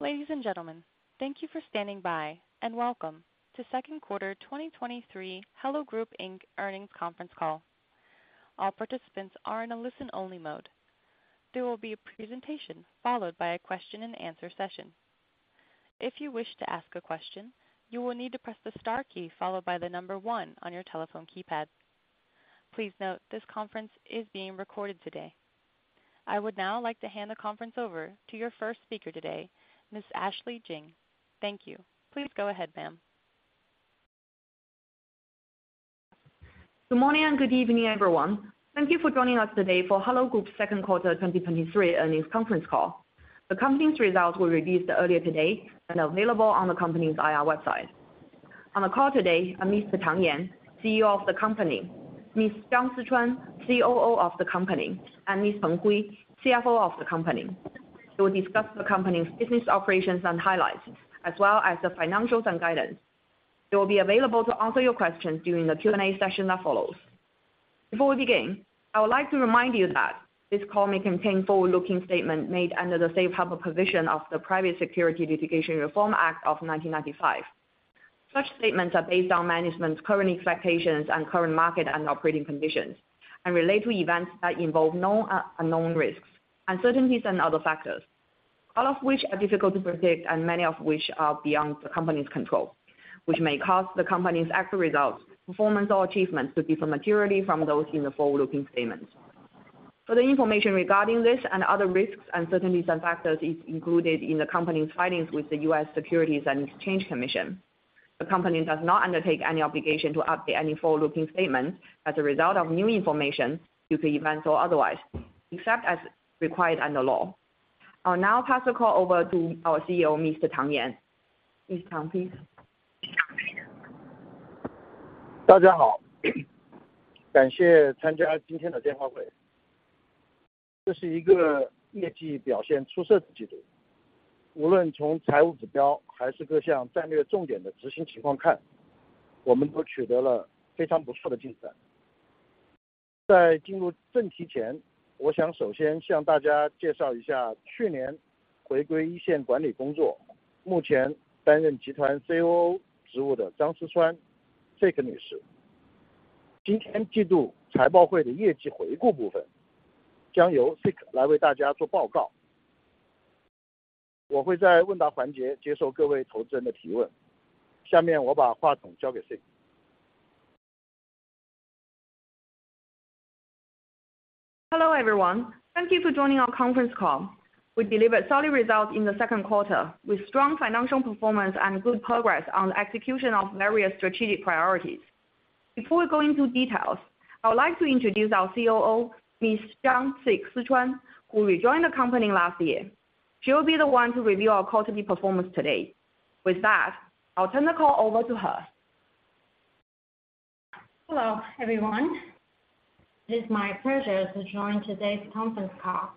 Ladies and gentlemen, thank you for standing by, and welcome to Second Quarter 2023 Hello Group Inc. Earnings Conference Call. All participants are in a listen-only mode. There will be a presentation, followed by a question-and-answer session. If you wish to ask a question, you will need to press the star key followed by the number one on your telephone keypad. Please note, this conference is being recorded today. I would now like to hand the conference over to your first speaker today, Ms. Ashley Jing. Thank you. Please go ahead, ma'am. Good morning and good evening, everyone. Thank you for joining us today for Hello Group's Second Quarter 2023 Earnings Conference Call. The company's results were released earlier today and are available on the company's IR website. On the call today are Mr. Yan Tang, CEO of the company, Ms. Sichuan Zhang, COO of the company, and Ms. Peng Hui, CFO of the company. They will discuss the company's business operations and highlights, as well as the financials and guidance. They will be available to answer your questions during the Q&A session that follows. Before we begin, I would like to remind you that this call may contain forward-looking statements made under the safe harbor provision of the Private Securities Litigation Reform Act of 1995. Such statements are based on management's current expectations and current market and operating conditions, and relate to events that involve known, unknown risks, uncertainties, and other factors, all of which are difficult to predict and many of which are beyond the company's control, which may cause the company's actual results, performance, or achievements to differ materially from those in the forward-looking statements. Further information regarding this and other risks, uncertainties, and factors is included in the company's filings with the U.S. Securities and Exchange Commission. The company does not undertake any obligation to update any forward-looking statements as a result of new information, future events or otherwise, except as required under law. I'll now pass the call over to our CEO, Mr. Yan Tang. Mr. Yan Tang, please. Hello, everyone. Thank you for joining our conference call. We delivered solid results in the second quarter, with strong financial performance and good progress on the execution of various strategic priorities. Before we go into details, I would like to introduce our COO, Ms. Sichuan Zhang, who rejoined the company last year. She will be the one to review our quarterly performance today. With that, I'll turn the call over to her. Hello, everyone. It's my pleasure to join today's conference call.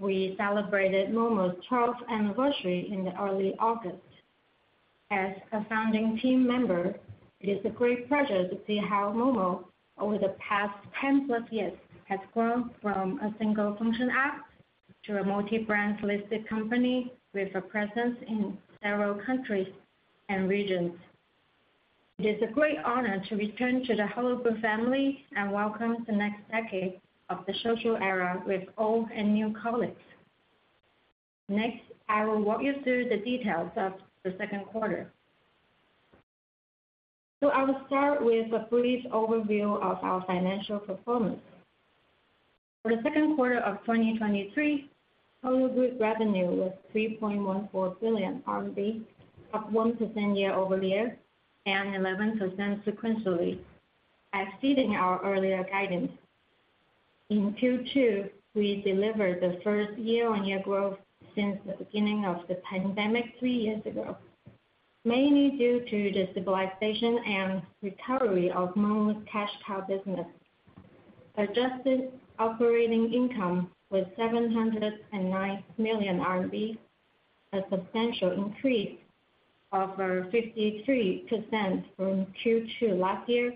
We celebrated Momo's 12th anniversary in early August. As a founding team member, it is a great pleasure to see how Momo, over the past 10+ years, has grown from a single function app to a multi-brand listed company with a presence in several countries and regions. It is a great honor to return to the Hello Group family and welcome the next decade of the social era with old and new colleagues. Next, I will walk you through the details of the second quarter. I will start with a brief overview of our financial performance. For the second quarter of 2023, total group revenue was 3.14 billion RMB, up 1% year-over-year and 11% sequentially, exceeding our earlier guidance. In Q2, we delivered the first year-over-year growth since the beginning of the pandemic three years ago, mainly due to the stabilization and recovery of Momo's cash cow business. Adjusted operating income was 709 million RMB, a substantial increase of over 53% from Q2 last year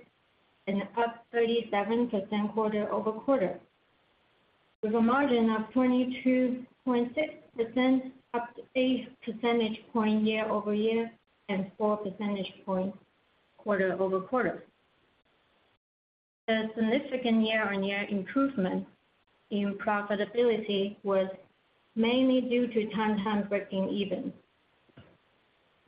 and up 37% quarter-over-quarter, with a margin of 22.6%, up eight percentage points year-over-year and four percentage points quarter-over-quarter. The significant year-over-year improvement in profitability was mainly due to Tantan breaking even,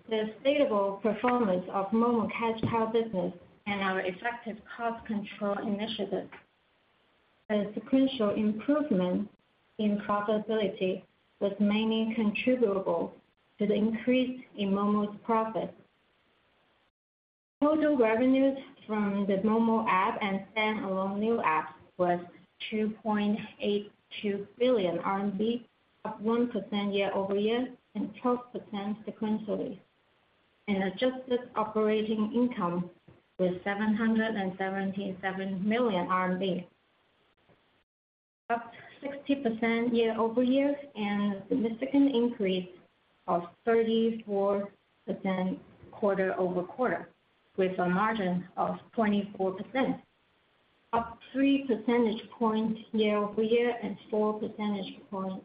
the stable performance of Momo's cash cow business and our effective cost control initiatives. The sequential improvement in profitability was mainly attributable to the increase in Momo's profit. Total revenues from the Momo app and standalone new apps was 2.82 billion RMB, up 1% year-over-year and 12% sequentially. Adjusted operating income was CNY 777 million, up 60% year-over-year, and a significant increase of 34% quarter-over-quarter, with a margin of 24%, up three percentage points year-over-year and four percentage points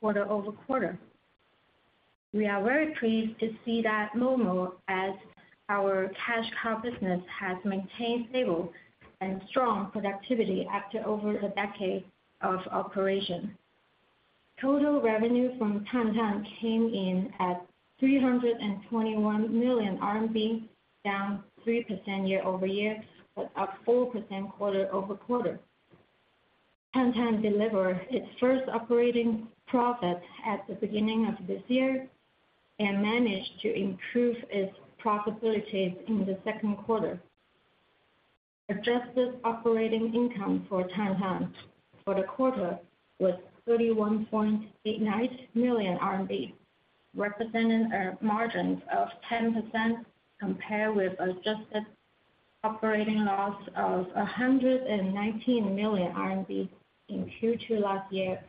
quarter-over-quarter. We are very pleased to see that Momo as our cash cow business has maintained stable and strong productivity after over a decade of operation. Total revenue from Tantan came in at 321 million RMB, down 3% year-over-year, but up 4% quarter-over-quarter. Tantan delivered its first operating profit at the beginning of this year and managed to improve its profitability in the second quarter. Adjusted operating income for Tantan for the quarter was 31.89 million RMB, representing a margin of 10% compared with adjusted operating loss of 119 million RMB in Q2 last year,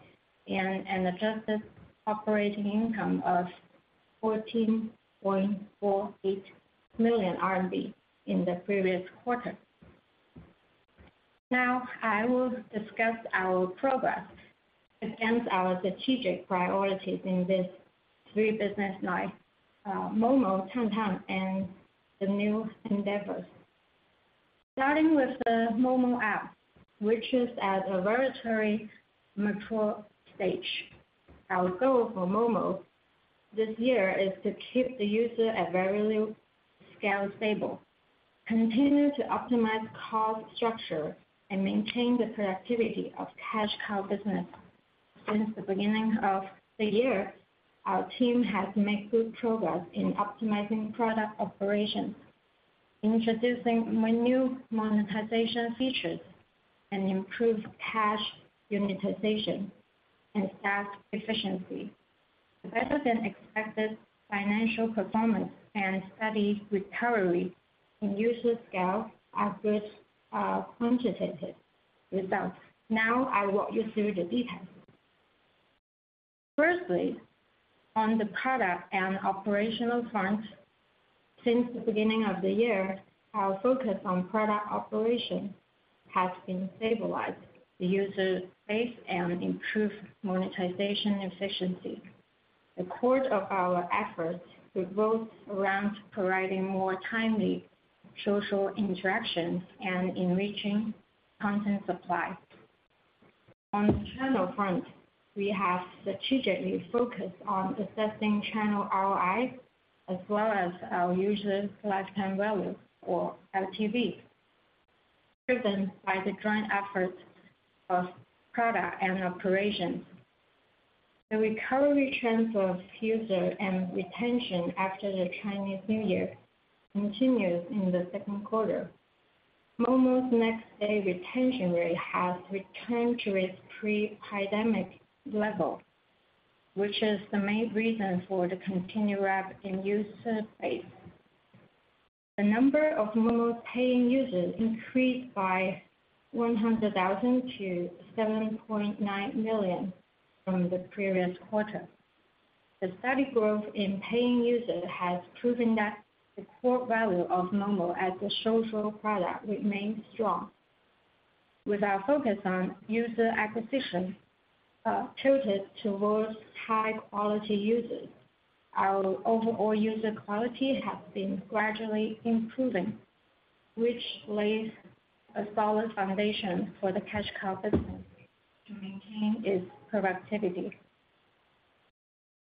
and an adjusted operating income of 14.48 million RMB in the previous quarter. Now I will discuss our progress against our strategic priorities in these three business lines: Momo, Tantan, and the new endeavors. Starting with the Momo app, which is at a very mature stage. Our goal for Momo this year is to keep the user at very little scale stable, continue to optimize cost structure, and maintain the productivity of cash cow business. Since the beginning of the year, our team has made good progress in optimizing product operations, introducing new monetization features, and improved chat monetization and staff efficiency. The better-than-expected financial performance and steady recovery in user scale are good quantitative results. Now, I walk you through the details. Firstly, on the product and operational front, since the beginning of the year, our focus on product operation has been stabilizing the user base and improve monetization efficiency. The core of our efforts revolves around providing more timely social interactions and enriching content supply. On the channel front, we have strategically focused on assessing channel ROIs, as well as our user lifetime value or LTV, driven by the joint efforts of product and operations. The recovery trend of user and retention after the Chinese New Year continues in the second quarter. Momo's next day retention rate has returned to its pre-pandemic level, which is the main reason for the continued rapid increase in user base. The number of Momo paying users increased by 100,000 to 7.9 million from the previous quarter. The steady growth in paying users has proven that the core value of Momo as a social product remains strong. With our focus on user acquisition, tilted towards high-quality users, our overall user quality has been gradually improving, which lays a solid foundation for the cash cow business to maintain its productivity.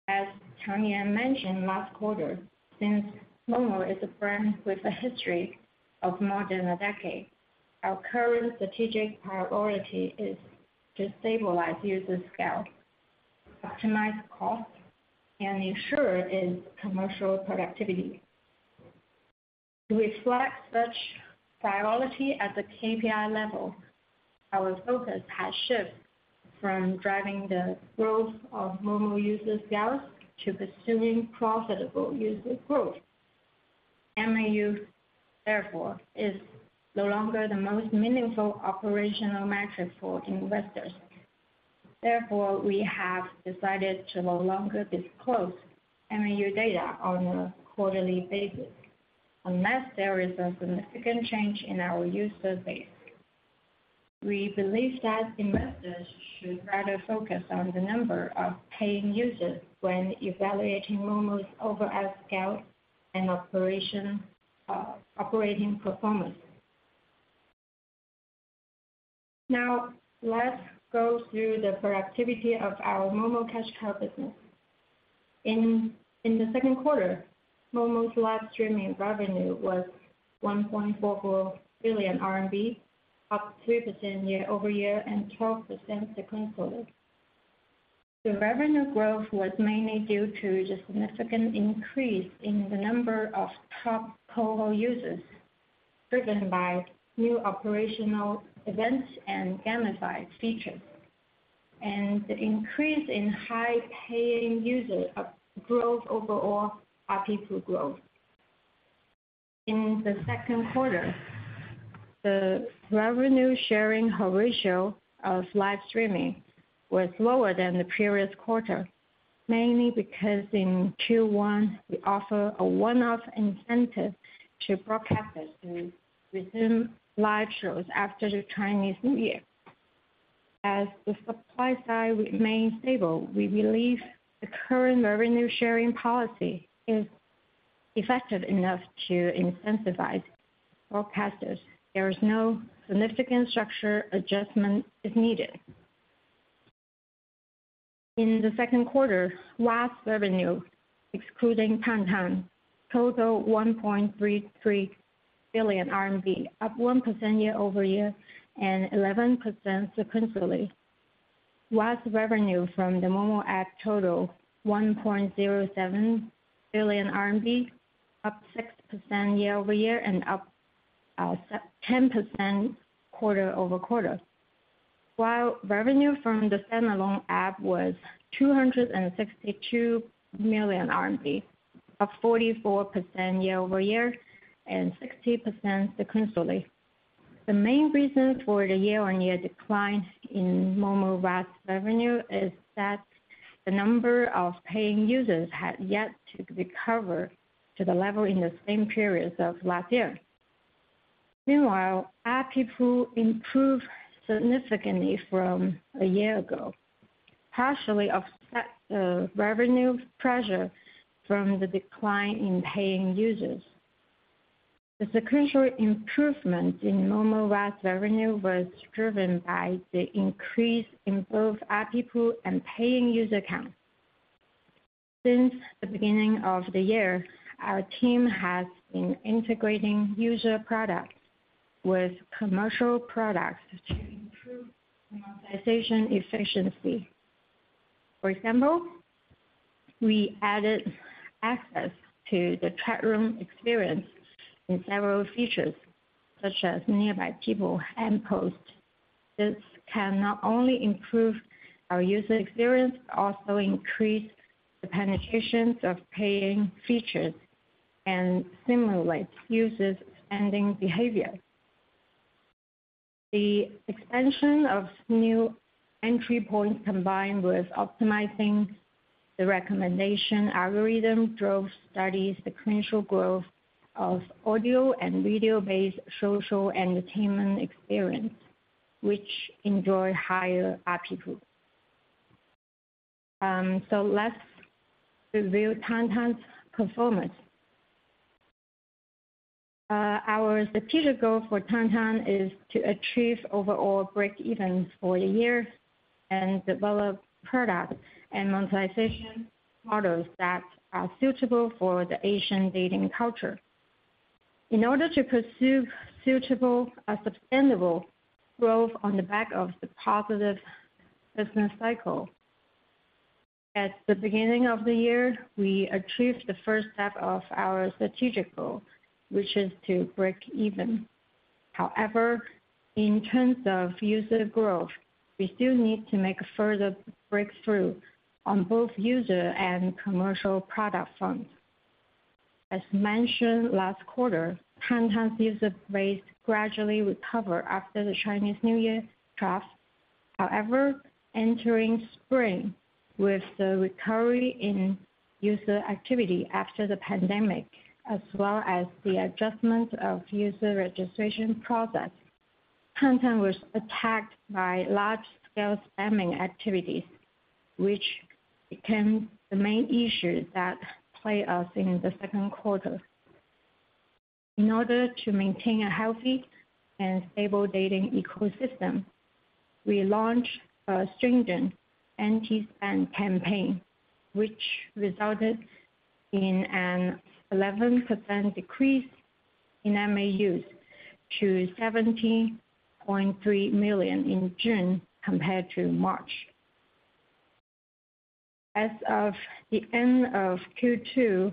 As Yan Tang mentioned last quarter, since Momo is a brand with a history of more than a decade, our current strategic priority is to stabilize user scale, optimize cost, and ensure its commercial productivity. To reflect such priority at the KPI level, our focus has shifted from driving the growth of Momo user scale to pursuing profitable user growth. MAU, therefore, is no longer the most meaningful operational metric for investors. Therefore, we have decided to no longer disclose MAU data on a quarterly basis, unless there is a significant change in our user base. We believe that investors should rather focus on the number of paying users when evaluating Momo's overall scale and operation, operating performance. Now, let's go through the productivity of our Momo cash cow business. In the second quarter, Momo's live streaming revenue was 1.44 billion RMB, up 3% year-over-year and 12% sequentially. The revenue growth was mainly due to the significant increase in the number of top cohort users, driven by new operational events and gamified features, and the increase in high-paying user of growth overall ARPU growth. In the second quarter, the revenue sharing ratio of live streaming was lower than the previous quarter.... mainly because in Q1, we offer a one-off incentive to broadcasters to resume live shows after the Chinese New Year. As the supply side remains stable, we believe the current revenue sharing policy is effective enough to incentivize broadcasters. There is no significant structure adjustment is needed. In the second quarter, VAS revenue, excluding Tantan, totaled CNY 1.33 billion, up 1% year-over-year and 11% sequentially. VAS revenue from the Momo app totaled 1.07 billion RMB, up 6% year-over-year and up ten percent quarter-over-quarter, while revenue from the standalone app was 262 million RMB, up 44% year-over-year and 60% sequentially. The main reason for the year-on-year decline in Momo Live's revenue is that the number of paying users had yet to recover to the level in the same period of last year. Meanwhile, ARPU improved significantly from a year ago, partially offset the revenue pressure from the decline in paying users. The sequential improvement in Momo Live's revenue was driven by the increase in both ARPU and paying user accounts. Since the beginning of the year, our team has been integrating user products with commercial products to improve monetization efficiency. For example, we added access to the chat room experience in several features, such as Nearby People and Post. This can not only improve our user experience, but also increase the penetrations of paying features and stimulate users' spending behavior. The expansion of new entry points, combined with optimizing the recommendation algorithm, drove steady sequential growth of audio and video-based social entertainment experience, which enjoy higher ARPU. So let's review Tantan's performance. Our strategic goal for Tantan is to achieve overall breakeven for the year and develop products and monetization models that are suitable for the Asian dating culture. In order to pursue suitable, sustainable growth on the back of the positive business cycle, at the beginning of the year, we achieved the first step of our strategic goal, which is to break even. However, in terms of user growth, we still need to make further breakthrough on both user and commercial product front. As mentioned last quarter, Tantan's user base gradually recovered after the Chinese New Year drops. However, entering spring, with the recovery in user activity after the pandemic, as well as the adjustment of user registration process, Tantan was attacked by large-scale spamming activities, which became the main issue that plagued us in the second quarter. In order to maintain a healthy and stable dating ecosystem, we launched a stringent anti-spam campaign, which resulted in an 11% decrease in MAUs to 70.3 million in June compared to March. As of the end of Q2,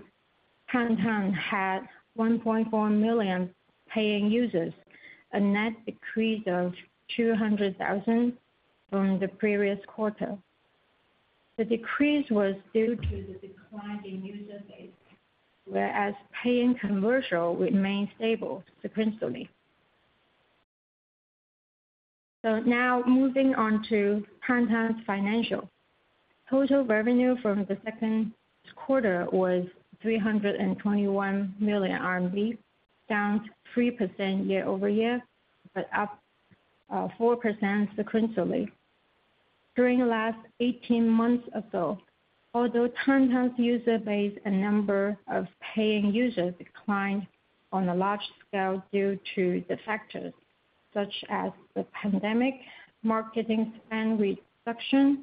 Tantan had 1.4 million paying users, a net decrease of 200,000 from the previous quarter. The decrease was due to the decline in user base, whereas paying conversion remained stable sequentially. So now, moving on to Tantan's financial. Total revenue from the second quarter was 321 million RMB, down 3% year-over-year, but up 4% sequentially. During the last eighteen months ago, although Tantan's user base and number of paying users declined on a large scale due to the factors such as the pandemic, marketing spend reduction,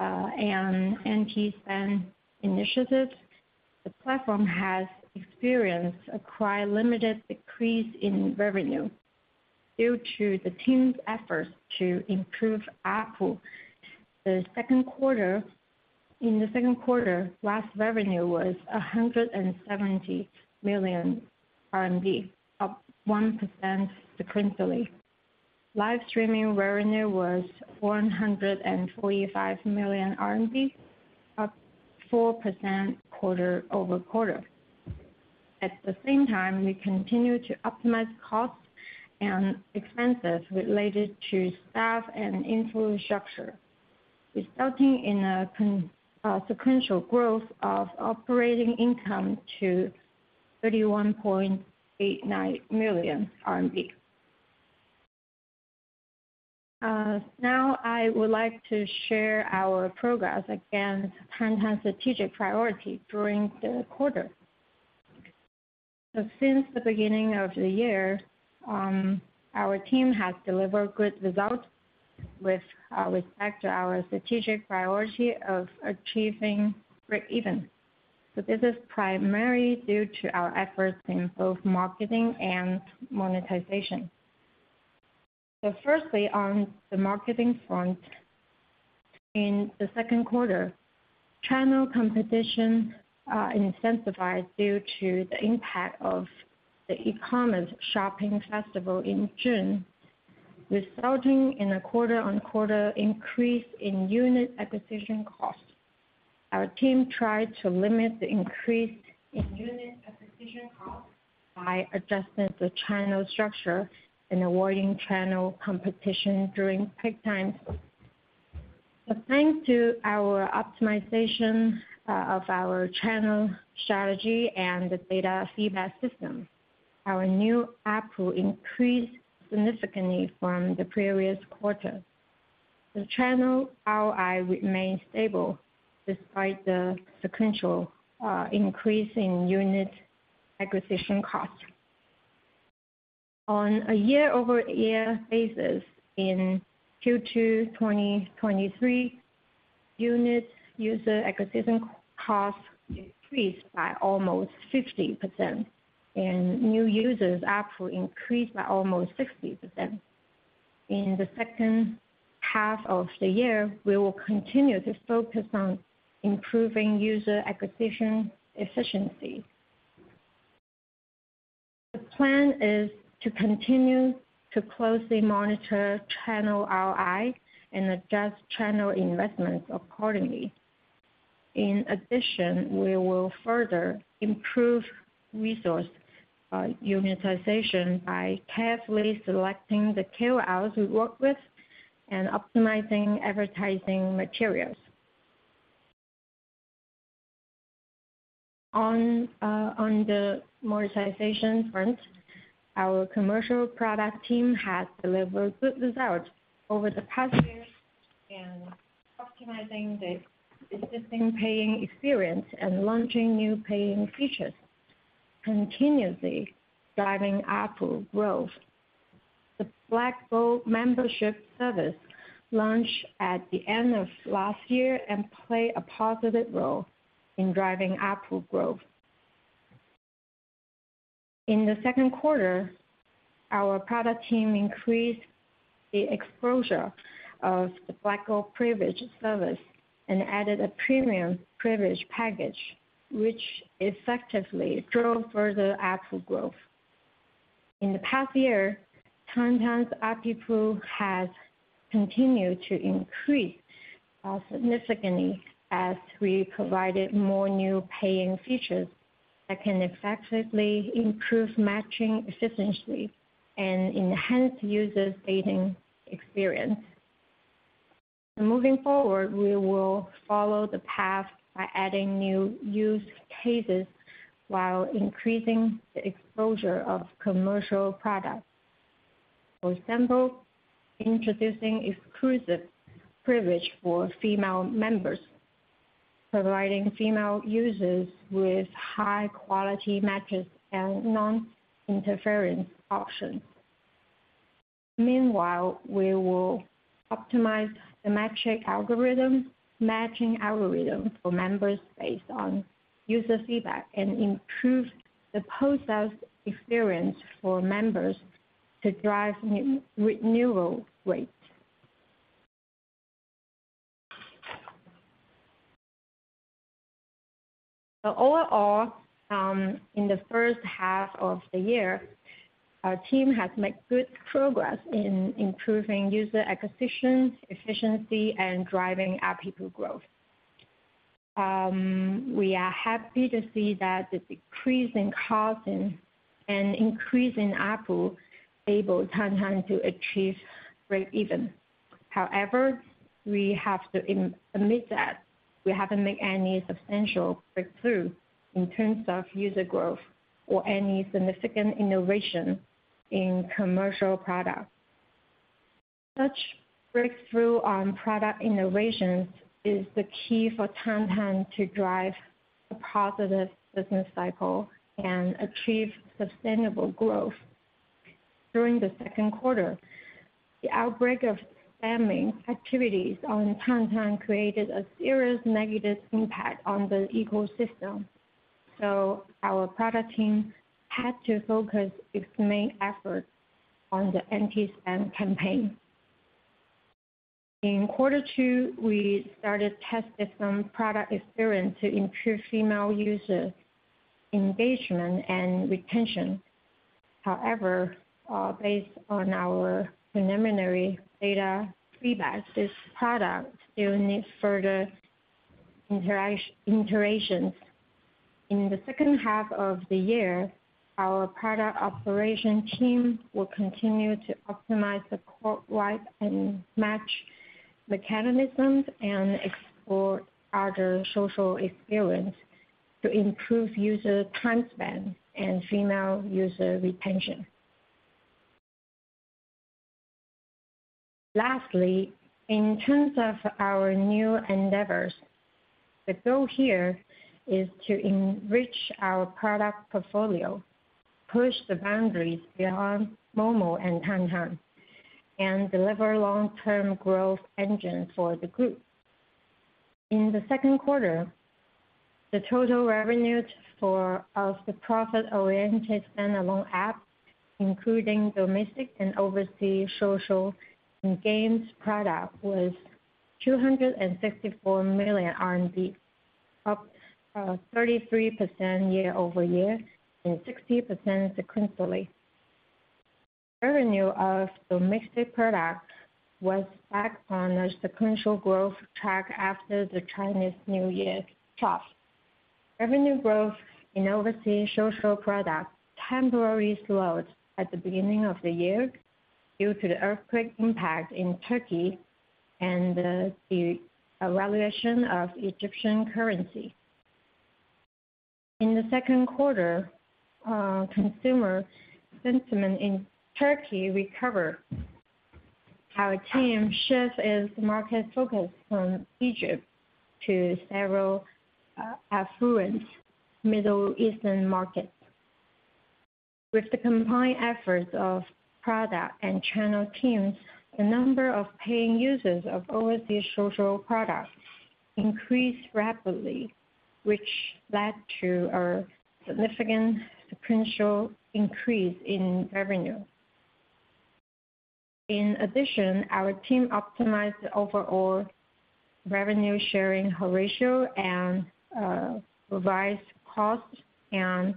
and anti-spam initiatives, the platform has experienced a quite limited decrease in revenue due to the team's efforts to improve ARPU. In the second quarter, VAS revenue was 170 million RMB, up 1% sequentially. Live streaming revenue was 145 million RMB, up 4% quarter-over-quarter. At the same time, we continue to optimize costs and expenses related to staff and infrastructure, resulting in a sequential growth of operating income to 31.89 million RMB. Now I would like to share our progress against Tantan strategic priority during the quarter. Since the beginning of the year, our team has delivered good results with respect to our strategic priority of achieving breakeven. This is primarily due to our efforts in both marketing and monetization. Firstly, on the marketing front, in the second quarter, channel competition intensified due to the impact of the e-commerce shopping festival in June, resulting in a quarter-on-quarter increase in unit acquisition cost. Our team tried to limit the increase in unit acquisition cost by adjusting the channel structure and avoiding channel competition during peak times. Thanks to our optimization of our channel strategy and the data feedback system, our new ARPU increased significantly from the previous quarter. The channel ROI remained stable despite the sequential increase in unit acquisition cost. On a year-over-year basis in Q2 2023, unit user acquisition cost decreased by almost 50%, and new users ARPU increased by almost 60%. In the second half of the year, we will continue to focus on improving user acquisition efficiency. The plan is to continue to closely monitor channel ROI and adjust channel investments accordingly. In addition, we will further improve resource utilization by carefully selecting the KOLs we work with and optimizing advertising materials. On the monetization front, our commercial product team has delivered good results over the past year in optimizing the existing paying experience and launching new paying features, continuously driving ARPU growth. The Black Gold membership service launched at the end of last year and play a positive role in driving ARPU growth. In the second quarter, our product team increased the exposure of the Black Gold privilege service and added a premium privilege package, which effectively drove further ARPU growth. In the past year, Tantan's ARPU has continued to increase, significantly as we provided more new paying features that can effectively improve matching efficiency and enhance users' dating experience. Moving forward, we will follow the path by adding new use cases while increasing the exposure of commercial products. For example, introducing exclusive privilege for female members, providing female users with high-quality matches and non-interference options. Meanwhile, we will optimize the matching algorithm, matching algorithm for members based on user feedback and improve the post-sales experience for members to drive new renewal rate. Overall, in the first half of the year, our team has made good progress in improving user acquisition, efficiency, and driving ARPU growth. We are happy to see that the decrease in costs and increase in ARPU enable Tantan to achieve breakeven. However, we have to admit that we haven't made any substantial breakthrough in terms of user growth or any significant innovation in commercial products. Such breakthrough on product innovations is the key for Tantan to drive a positive business cycle and achieve sustainable growth. During the second quarter, the outbreak of spamming activities on Tantan created a serious negative impact on the ecosystem, so our product team had to focus its main efforts on the anti-spam campaign. In quarter two, we started testing some product experience to improve female user engagement and retention. However, based on our preliminary data feedback, this product still needs further iterations. In the second half of the year, our product operation team will continue to optimize the core live and match mechanisms, and explore other social experience to improve user time spend and female user retention. Lastly, in terms of our new endeavors, the goal here is to enrich our product portfolio, push the boundaries beyond Momo and Tantan, and deliver long-term growth engine for the group. In the second quarter, the total revenue of the profit-oriented standalone app, including domestic and overseas social and games product, was 264 million RMB, up 33% year-over-year, and 60% sequentially. Revenue of domestic product was back on a sequential growth track after the Chinese New Year trough. Revenue growth in overseas social products temporarily slowed at the beginning of the year due to the earthquake impact in Turkey and the evaluation of Egyptian currency. In the second quarter, consumer sentiment in Turkey recovered. Our team shifts its market focus from Egypt to several, affluent Middle Eastern markets. With the combined efforts of product and channel teams, the number of paying users of overseas social products increased rapidly, which led to a significant sequential increase in revenue. In addition, our team optimized the overall revenue sharing ratio and, revised costs and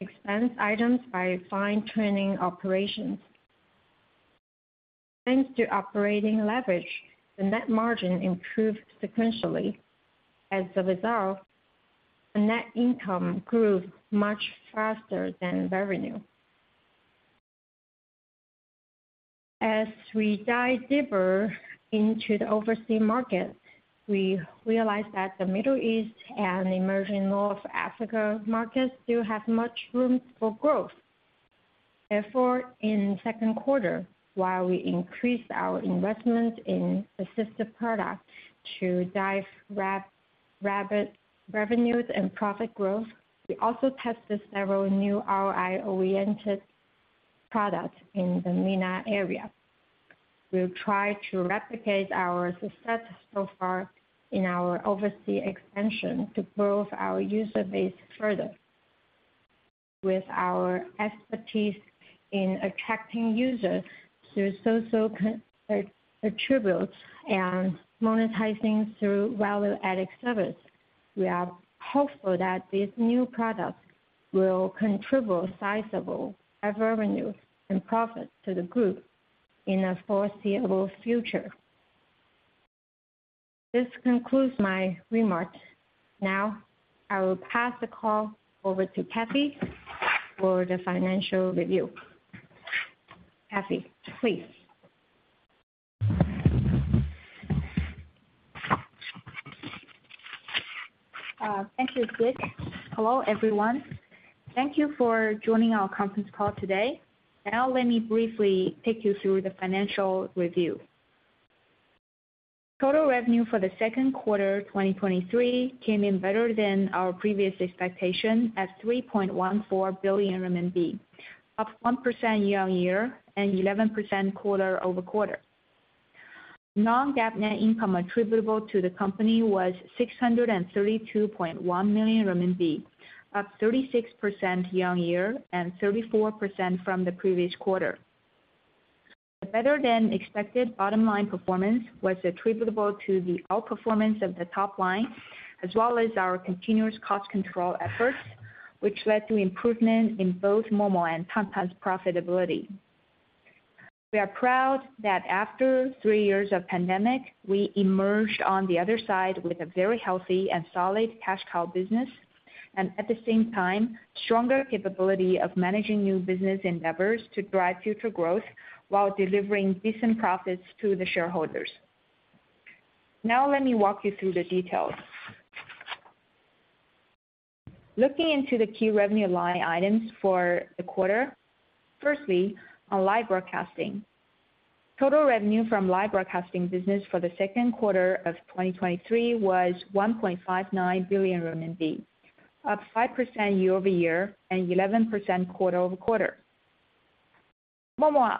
expense items by fine-tuning operations. Thanks to operating leverage, the net margin improved sequentially. As a result, the net income grew much faster than revenue. As we dive deeper into the overseas market, we realized that the Middle East and emerging North Africa markets still have much room for growth. Therefore, in the second quarter, while we increased our investment in existing products to drive rapid revenues and profit growth, we also tested several new ROI-oriented products in the MENA area. We'll try to replicate our success so far in our overseas expansion to grow our user base further. With our expertise in attracting users through social connectivity and monetizing through value-added service, we are hopeful that these new products will contribute sizable revenue and profit to the group in the foreseeable future. This concludes my remarks. Now, I will pass the call over to Cathy for the financial review. Cathy, please. Thank you, Sichuan. Hello, everyone. Thank you for joining our conference call today. Now let me briefly take you through the financial review. Total revenue for the second quarter 2023 came in better than our previous expectation, at 3.14 billion RMB, up 1% year-on-year, and 11% quarter-over-quarter. Non-GAAP net income attributable to the company was 632.1 million renminbi, up 36% year-on-year, and 34% from the previous quarter. The better-than-expected bottom line performance was attributable to the outperformance of the top line, as well as our continuous cost control efforts, which led to improvement in both Momo and Tantan's profitability. We are proud that after three years of pandemic, we emerged on the other side with a very healthy and solid cash cow business, and at the same time, stronger capability of managing new business endeavors to drive future growth while delivering decent profits to the shareholders. Now let me walk you through the details. Looking into the key revenue line items for the quarter. Firstly, on live broadcasting. Total revenue from live broadcasting business for the second quarter of 2023 was 1.59 billion RMB, up 5% year-over-year, and 11% quarter-over-quarter. Momo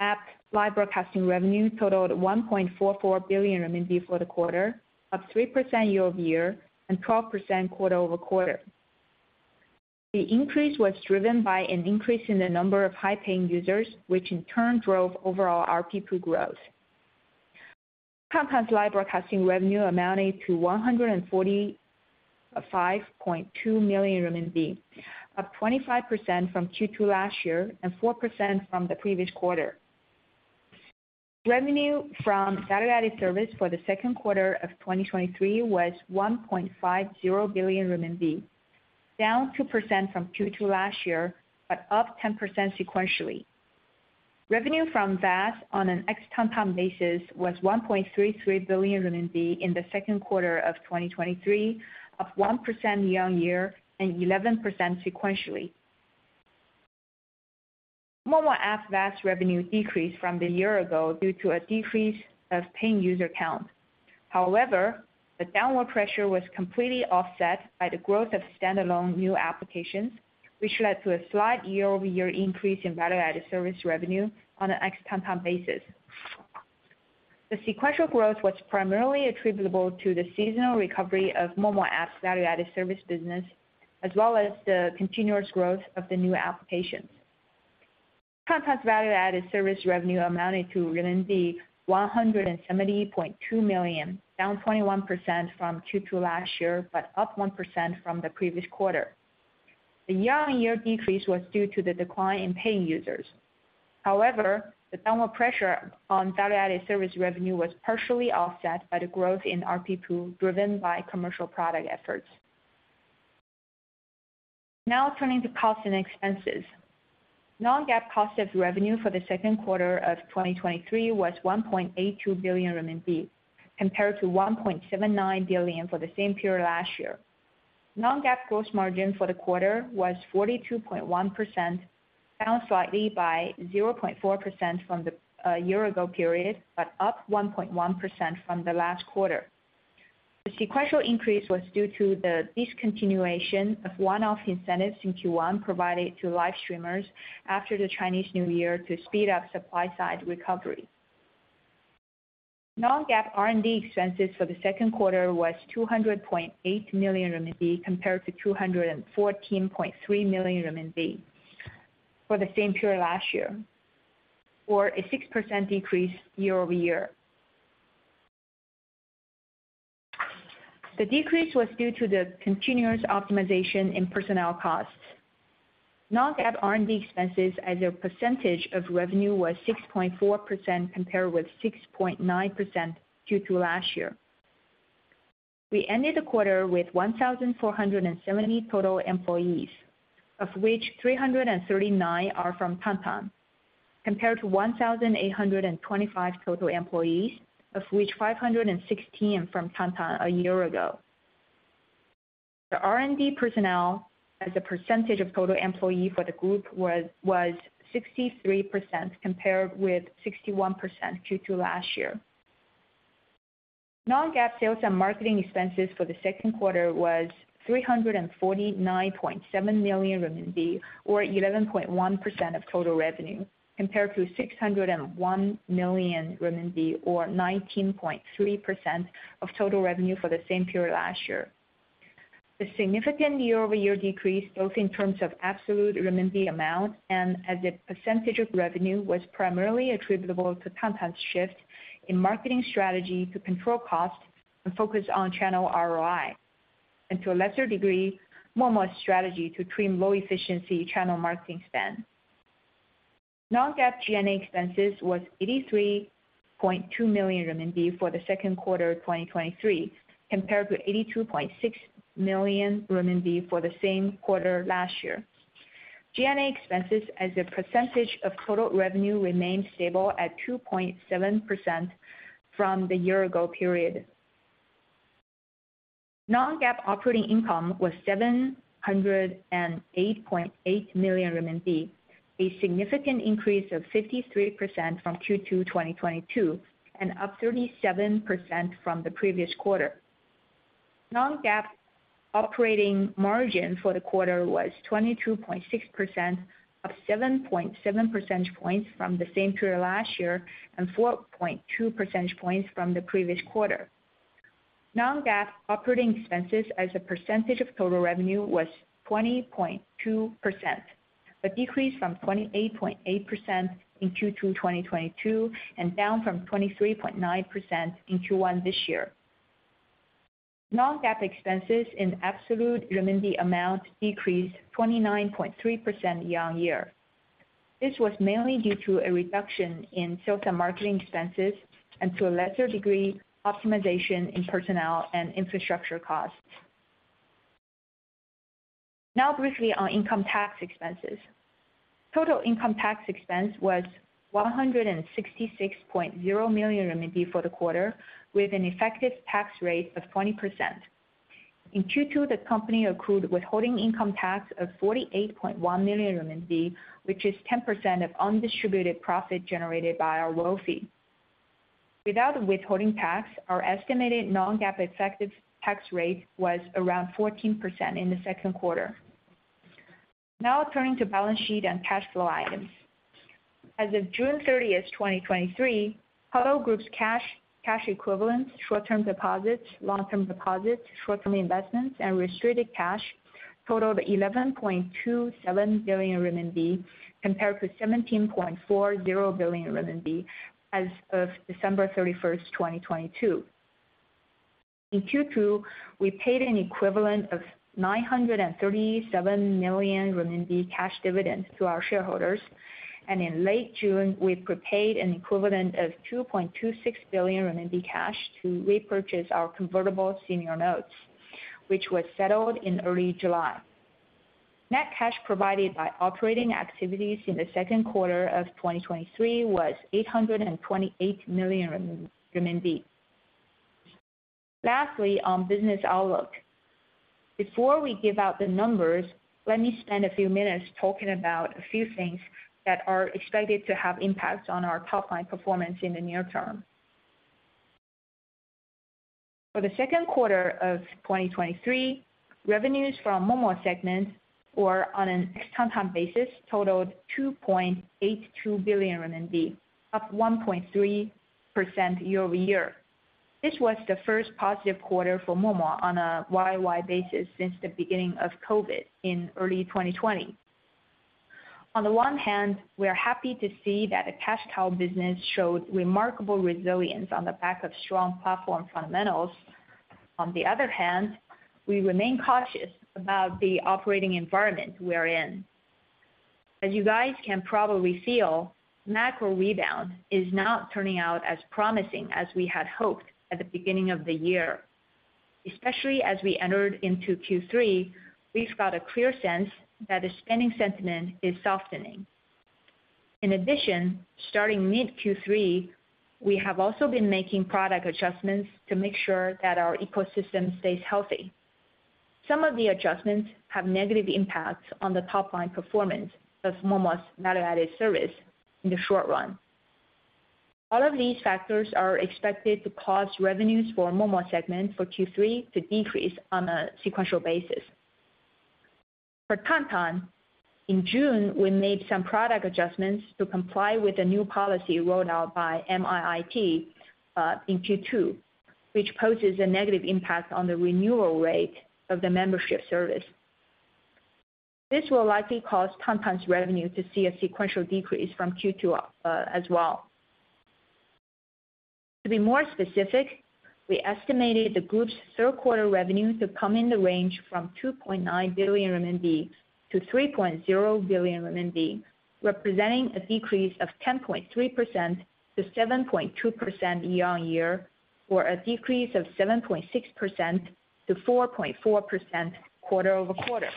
app live broadcasting revenue totaled 1.44 billion RMB for the quarter, up 3% year-over-year, and 12% quarter-over-quarter. The increase was driven by an increase in the number of high-paying users, which in turn drove overall ARPU growth. Tantan's live broadcasting revenue amounted to 145.2 million RMB, up 25% from Q2 last year and 4% from the previous quarter. Revenue from value-added service for the second quarter of 2023 was 1.50 billion renminbi, down 2% from Q2 last year, but up 10% sequentially. Revenue from VAS on an ex Tantan basis was 1.33 billion RMB in the second quarter of 2023, up 1% year-on-year and 11% sequentially. Momo app VAS revenue decreased from the year ago due to a decrease of paying user count. However, the downward pressure was completely offset by the growth of standalone new applications, which led to a slight year-over-year increase in value-added service revenue on an ex Tantan basis. The sequential growth was primarily attributable to the seasonal recovery of Momo app's value-added service business, as well as the continuous growth of the new applications. Tantan's value-added service revenue amounted to 170.2 million, down 21% from Q2 last year, but up 1% from the previous quarter. The year-on-year decrease was due to the decline in paying users. However, the downward pressure on value-added service revenue was partially offset by the growth in RP2, driven by commercial product efforts. Now turning to costs and expenses. Non-GAAP cost of revenue for the second quarter of 2023 was 1.82 billion RMB, compared to 1.79 billion for the same period last year. Non-GAAP gross margin for the quarter was 42.1%, down slightly by 0.4% from the year ago period, but up 1.1% from the last quarter. The sequential increase was due to the discontinuation of one-off incentives in Q1 provided to live streamers after the Chinese New Year to speed up supply-side recovery. Non-GAAP R&D expenses for the second quarter was 200.8 million RMB, compared to 214.3 million RMB for the same period last year, or a 6% decrease year-over-year. The decrease was due to the continuous optimization in personnel costs. Non-GAAP R&D expenses as a percentage of revenue was 6.4%, compared with 6.9% Q2 last year. We ended the quarter with 1,470 total employees, of which 339 are from Tantan, compared to 1,825 total employees, of which 516 from Tantan a year ago. The R&D personnel as a percentage of total employee for the group was 63%, compared with 61% Q2 last year. Non-GAAP sales and marketing expenses for the second quarter was 349.7 million RMB, or 11.1% of total revenue, compared to 601 million RMB, or 19.3% of total revenue for the same period last year. The significant year-over-year decrease, both in terms of absolute renminbi amount and as a percentage of revenue, was primarily attributable to Tantan's shift in marketing strategy to control costs and focus on channel ROI, and to a lesser degree, Momo's strategy to trim low-efficiency channel marketing spend. Non-GAAP G&A expenses was 83.2 million renminbi for the second quarter of 2023, compared to 82.6 million renminbi for the same quarter last year. G&A expenses as a percentage of total revenue remained stable at 2.7% from the year ago period. Non-GAAP operating income was 708.8 million renminbi, a significant increase of 53% from Q2 2022, and up 37% from the previous quarter. Non-GAAP operating margin for the quarter was 22.6%, up 7.7 percentage points from the same period last year, and 4.2 percentage points from the previous quarter. Non-GAAP operating expenses as a percentage of total revenue was 20.2%, a decrease from 28.8% in Q2 2022, and down from 23.9% in Q1 this year. Non-GAAP expenses in absolute renminbi amount decreased 29.3% year-on-year. This was mainly due to a reduction in sales and marketing expenses, and to a lesser degree, optimization in personnel and infrastructure costs. Now briefly on income tax expenses. Total income tax expense was 166.0 million RMB for the quarter, with an effective tax rate of 20%. In Q2, the company accrued withholding income tax of 48.1 million renminbi, which is 10% of undistributed profit generated by our WFOE. Without the withholding tax, our estimated non-GAAP effective tax rate was around 14% in the second quarter. Now turning to balance sheet and cash flow items. As of June 30th, 2023, Hello Group's cash, cash equivalents, short-term deposits, long-term deposits, short-term investments, and restricted cash total of 11.27 billion RMB, compared to 17.40 billion RMB as of December 31st, 2022. In Q2, we paid an equivalent of 937 million renminbi RMB cash dividends to our shareholders, and in late June, we prepaid an equivalent of 2.26 billion RMB RMB cash to repurchase our convertible senior notes, which was settled in early July. Net cash provided by operating activities in the second quarter of 2023 was 828 million renminbi. Lastly, on business outlook. Before we give out the numbers, let me spend a few minutes talking about a few things that are expected to have impacts on our top line performance in the near term. For the second quarter of 2023, revenues from Momo segment or on an ex-Tantan basis, totaled 2.82 billion RMB, up 1.3% year-over-year. This was the first positive quarter for Momo on a YoY basis since the beginning of COVID in early 2020. On the one hand, we are happy to see that the cash cow business showed remarkable resilience on the back of strong platform fundamentals. On the other hand, we remain cautious about the operating environment we are in. As you guys can probably feel, macro rebound is not turning out as promising as we had hoped at the beginning of the year. Especially as we entered into Q3, we've got a clear sense that the spending sentiment is softening. In addition, starting mid Q3, we have also been making product adjustments to make sure that our ecosystem stays healthy. Some of the adjustments have negative impacts on the top line performance of Momo's value-added service in the short run. All of these factors are expected to cause revenues for Momo segment for Q3 to decrease on a sequential basis. For Tantan, in June, we made some product adjustments to comply with the new policy rolled out by MIIT in Q2, which poses a negative impact on the renewal rate of the membership service. This will likely cause Tantan's revenue to see a sequential decrease from Q2, as well. To be more specific, we estimated the group's third quarter revenue to come in the range from 2.9 billion-3.0 billion RMB, representing a decrease of 10.3%-7.2% year-on-year, or a decrease of 7.6%-4.4% quarter-over-quarter.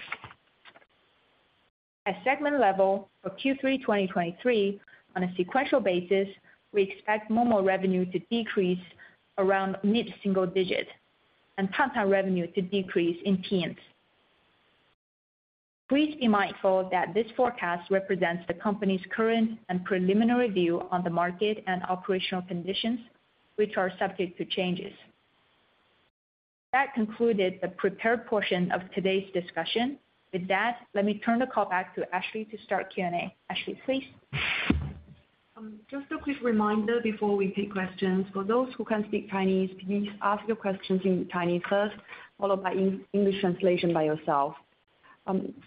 At segment level, for Q3 2023, on a sequential basis, we expect Momo revenue to decrease around mid-single digit, and Tantan revenue to decrease in teens. Please be mindful that this forecast represents the company's current and preliminary view on the market and operational conditions, which are subject to changes. That concluded the prepared portion of today's discussion. With that, let me turn the call back to Ashley to start Q&A. Ashley, please. Just a quick reminder before we take questions. For those who can speak Chinese, please ask your questions in Chinese first, followed by English translation by yourself.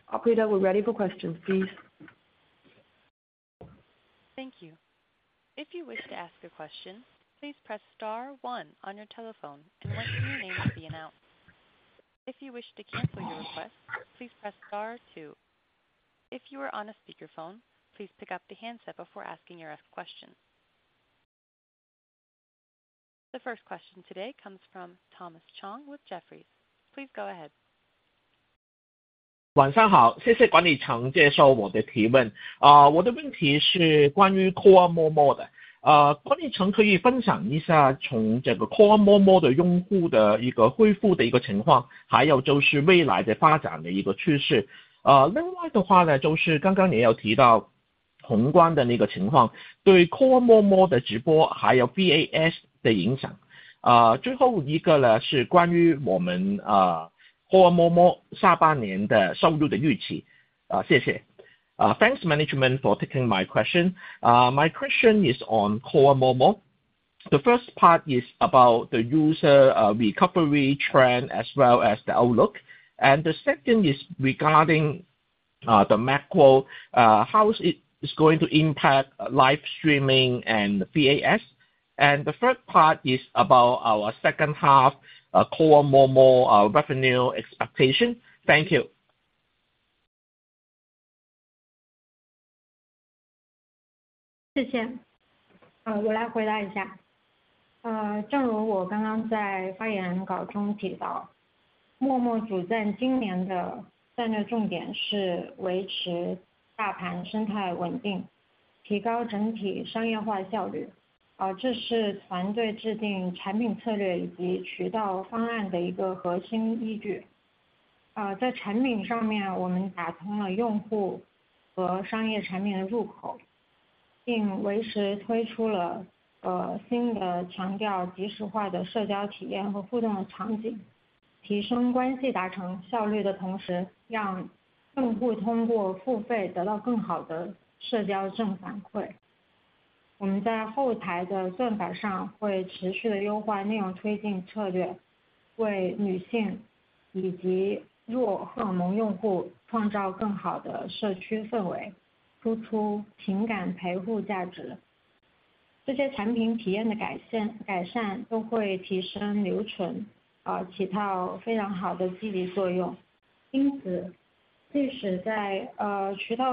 Operator, we're ready for questions, please. Thank you. If you wish to ask a question, please press star one on your telephone and wait for your name to be announced. If you wish to cancel your request, please press star two. If you are on a speakerphone, please pick up the handset before asking your question. The first question today comes from Thomas Chong with Jefferies. Please go ahead. 晚上好，谢谢管理层接受我的提问，我的问题是关于core Momo的，管理层可以分享一下从这个core Momo的用户的一个恢复的一个情况，还有就是未来的发展的一个趋势。另外的话呢，就是刚刚也有提到宏观的那个情况，对core Momo的直播，还有BAS的影响。最后一个呢，是关于我们core Momo下半年收入的预期。谢谢。Thanks management for taking my question. My question is on core Momo. The first part is about the user recovery trend as well as the outlook, and the second is regarding the macro, how it's going to impact live streaming and VAS? And the third part is about our second half core Momo revenue expectation. Thank you. 谢谢。我来回答一下。正如我刚刚在发言稿中提到，Momo主站今年的战略重点是维持大盘生态稳定，提高整体商业化效率。这 是团队制定产品策略以及渠道方案的一个核心依据。在产品上面，我们打通了用户和商业产品的入口，并及时推出了，新的强调即时化的社交体验和互动的场景，提升关系达成效率的同时，让用户通过付费得到更好的社交正反馈。We are in the On the back end will continue to optimize the content promotion strategy, for women and low hormone users to create a better community atmosphere, output emotional companionship value. These product experience improvements will improve retention, play a very good incentive role. Therefore, even though the overall user base has decreased compared to the same period last year as a result of reduced channel investment, it has been steadily rising since Spring Festival. As I mentioned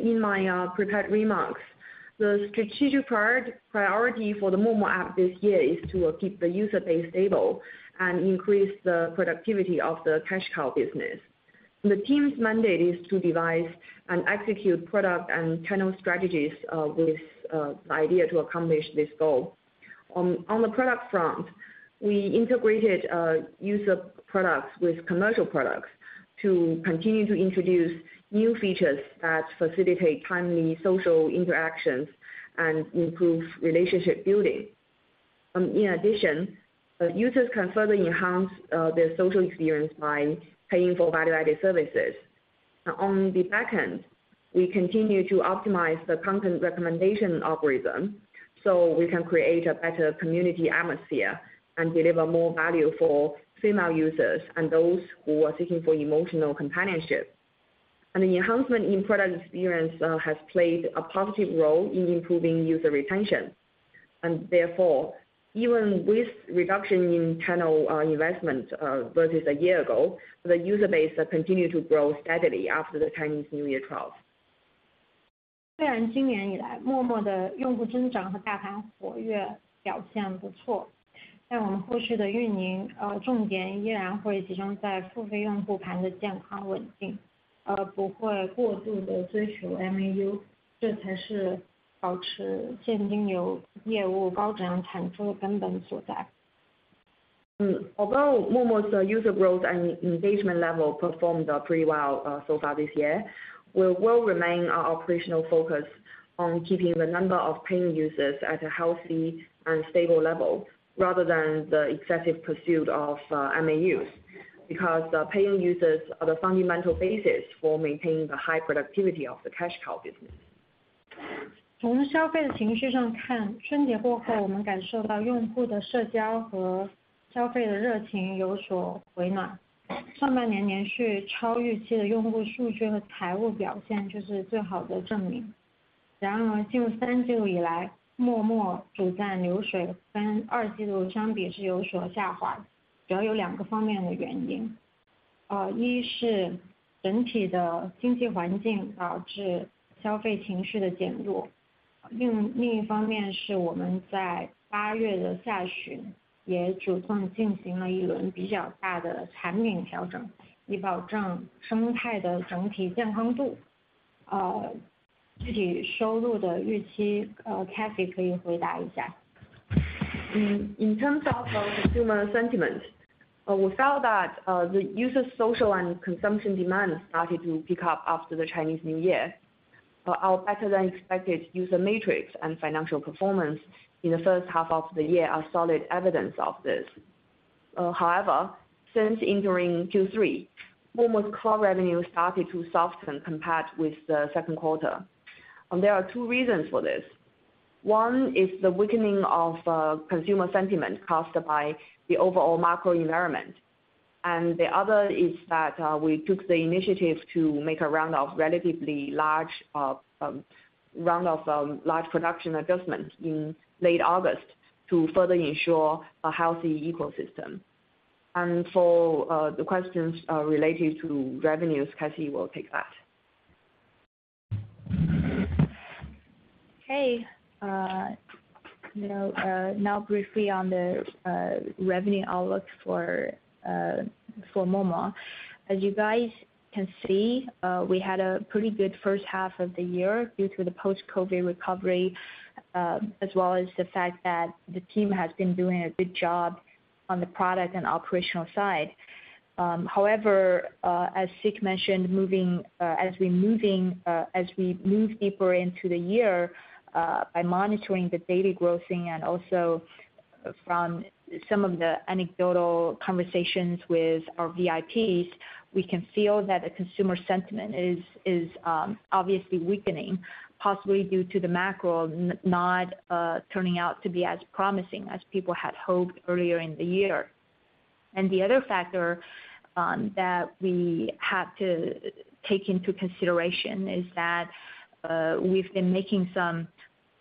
in my prepared remarks, the strategic priority for the Momo app this year is to keep the user base stable and increase the productivity of the cash cow business. The team's mandate is to devise and execute product and channel strategies, with the idea to accomplish this goal. On the product front, we integrated user products with commercial products to continue to introduce new features that facilitate timely social interactions and improve relationship building. In addition, users can further enhance their social experience by paying for value-added services. On the back end, we continue to optimize the content recommendation algorithm, so we can create a better community atmosphere and deliver more value for female users and those who are seeking for emotional companionship. The enhancement in product experience has played a positive role in improving user retention. Therefore, even with reduction in channel investment versus a year ago, the user base continue to grow steadily after the Chinese New Year trials. Although Momo's user growth and engagement level performed pretty well so far this year, we will remain our operational focus on keeping the number of paying users at a healthy and stable level, rather than the excessive pursuit of MAUs. Because the paying users are the fundamental basis for maintaining the high productivity of the cash cow business. From a consumer sentiment perspective, we felt that user social and consumption demand started to pick up after the Chinese New Year. Our better-than-expected user metrics and financial performance in the first half of the year are solid evidence of this. However, since entering Q3, Momo's core revenue started to soften compared with the second quarter. There are two reasons for this. One is the weakening of consumer sentiment caused by the overall macro environment, and the other is that we took the initiative to make a round of relatively large round of large production adjustments in late August to further ensure a healthy ecosystem. And for the questions related to revenues, Cathy will take that. Hey, you know, now briefly on the revenue outlook for MOMO. As you guys can see, we had a pretty good first half of the year due to the post-COVID recovery, as well as the fact that the team has been doing a good job on the product and operational side. However, as Sichuan mentioned, as we move deeper into the year, by monitoring the daily grossing and also from some of the anecdotal conversations with our VIPs, we can feel that the consumer sentiment is obviously weakening, possibly due to the macro not turning out to be as promising as people had hoped earlier in the year. And the other factor that we have to take into consideration is that we've been making some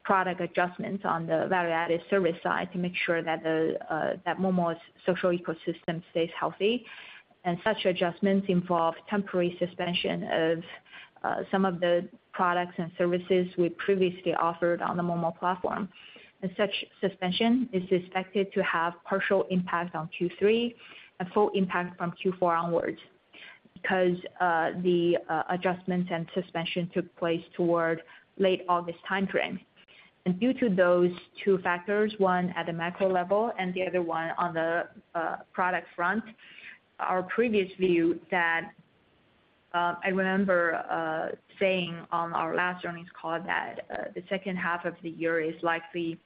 product adjustments on the value-added service side to make sure that Momo's social ecosystem stays healthy. And such adjustments involve temporary suspension of some of the products and services we previously offered on the Momo platform. And such suspension is expected to have partial impact on Q3, and full impact from Q4 onwards, because the adjustments and suspension took place toward late August time frame. And due to those two factors, one at the macro level and the other one on the product front, our previous view that I remember saying on our last earnings call that the second half of the year is likely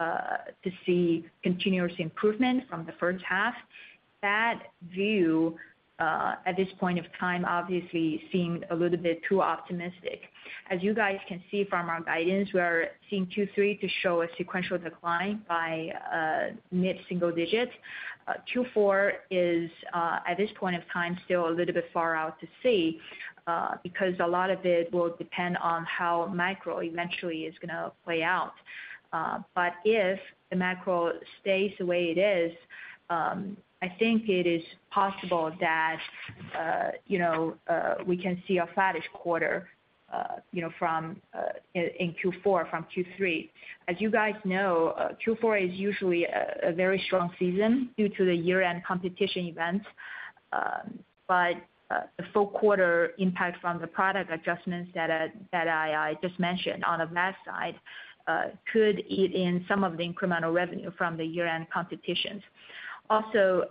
to see continuous improvement from the first half. That view at this point of time, obviously seemed a little bit too optimistic. As you guys can see from our guidance, we are seeing Q3 to show a sequential decline by mid-single digits. Q4 is at this point of time, still a little bit far out to see because a lot of it will depend on how macro eventually is going to play out. But if the macro stays the way it is, I think it is possible that you know we can see a flattish quarter you know from in Q4, from Q3. As you guys know, Q4 is usually a very strong season due to the year-end competition events. But the full quarter impact from the product adjustments that I just mentioned on the Momo side could eat in some of the incremental revenue from the year-end competitions. Also,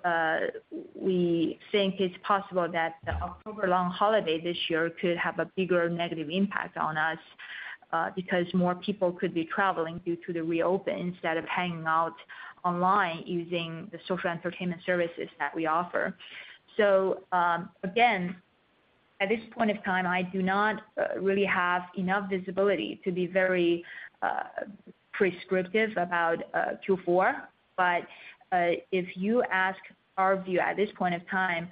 we think it's possible that the October long holiday this year could have a bigger negative impact on us because more people could be traveling due to the reopen, instead of hanging out online using the social entertainment services that we offer. So, again, at this point of time, I do not really have enough visibility to be very prescriptive about Q4. But if you ask our view at this point of time,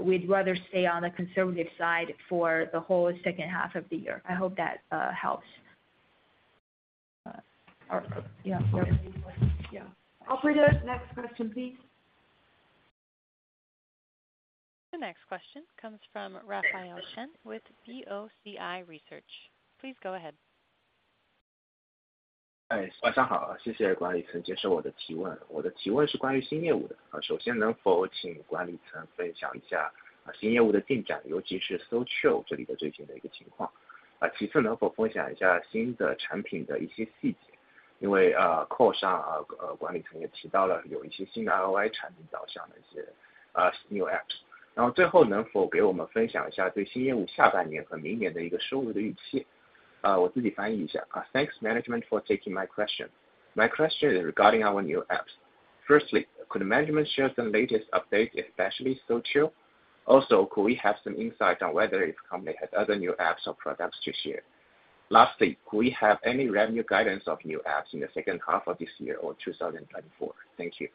we'd rather stay on the conservative side for the whole second half of the year. I hope that helps. Uh, yeah, yeah. Operator, next question, please. The next question comes from Raphael Shen with BOCI Research. Please go ahead. Hi, good evening. Thank you, management, for taking my question. My question is about the new business. First, could management please share the progress of the new business, especially the recent situation with Soulchill here. Second, could you share some details about the new products? Because on the call, management also mentioned that there are some new ROI products directed to some new apps. Finally, could you share with us the revenue expectation for the new business in the second half of the year and next year? Let me translate it myself. Thanks, management, for taking my question. My question is regarding our new apps. Firstly, could management share some latest update, especially Soulchill? Also, could we have some insight on whether if company has other new apps or products to share? Lastly, could we have any revenue guidance of new apps in the second half of this year or 2024? Thank you.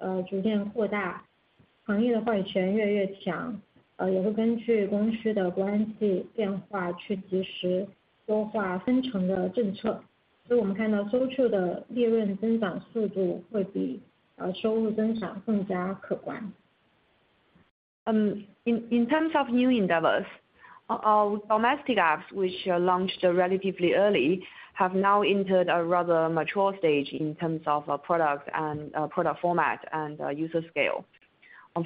In terms of new endeavors, our domestic apps, which are launched relatively early, have now entered a rather mature stage in terms of our product and product format and user scale.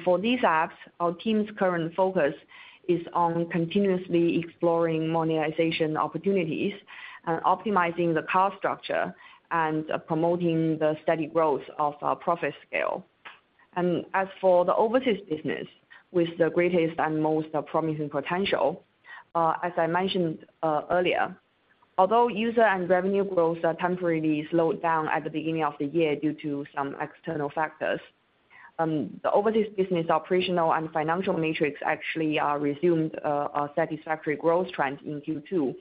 For these apps, our team's current focus is on continuously exploring monetization opportunities and optimizing the cost structure, and promoting the steady growth of our profit scale. As for the overseas business, with the greatest and most promising potential, as I mentioned earlier, although user and revenue growth are temporarily slowed down at the beginning of the year due to some external factors, the overseas business operational and financial metrics actually resumed a satisfactory growth trend in Q2.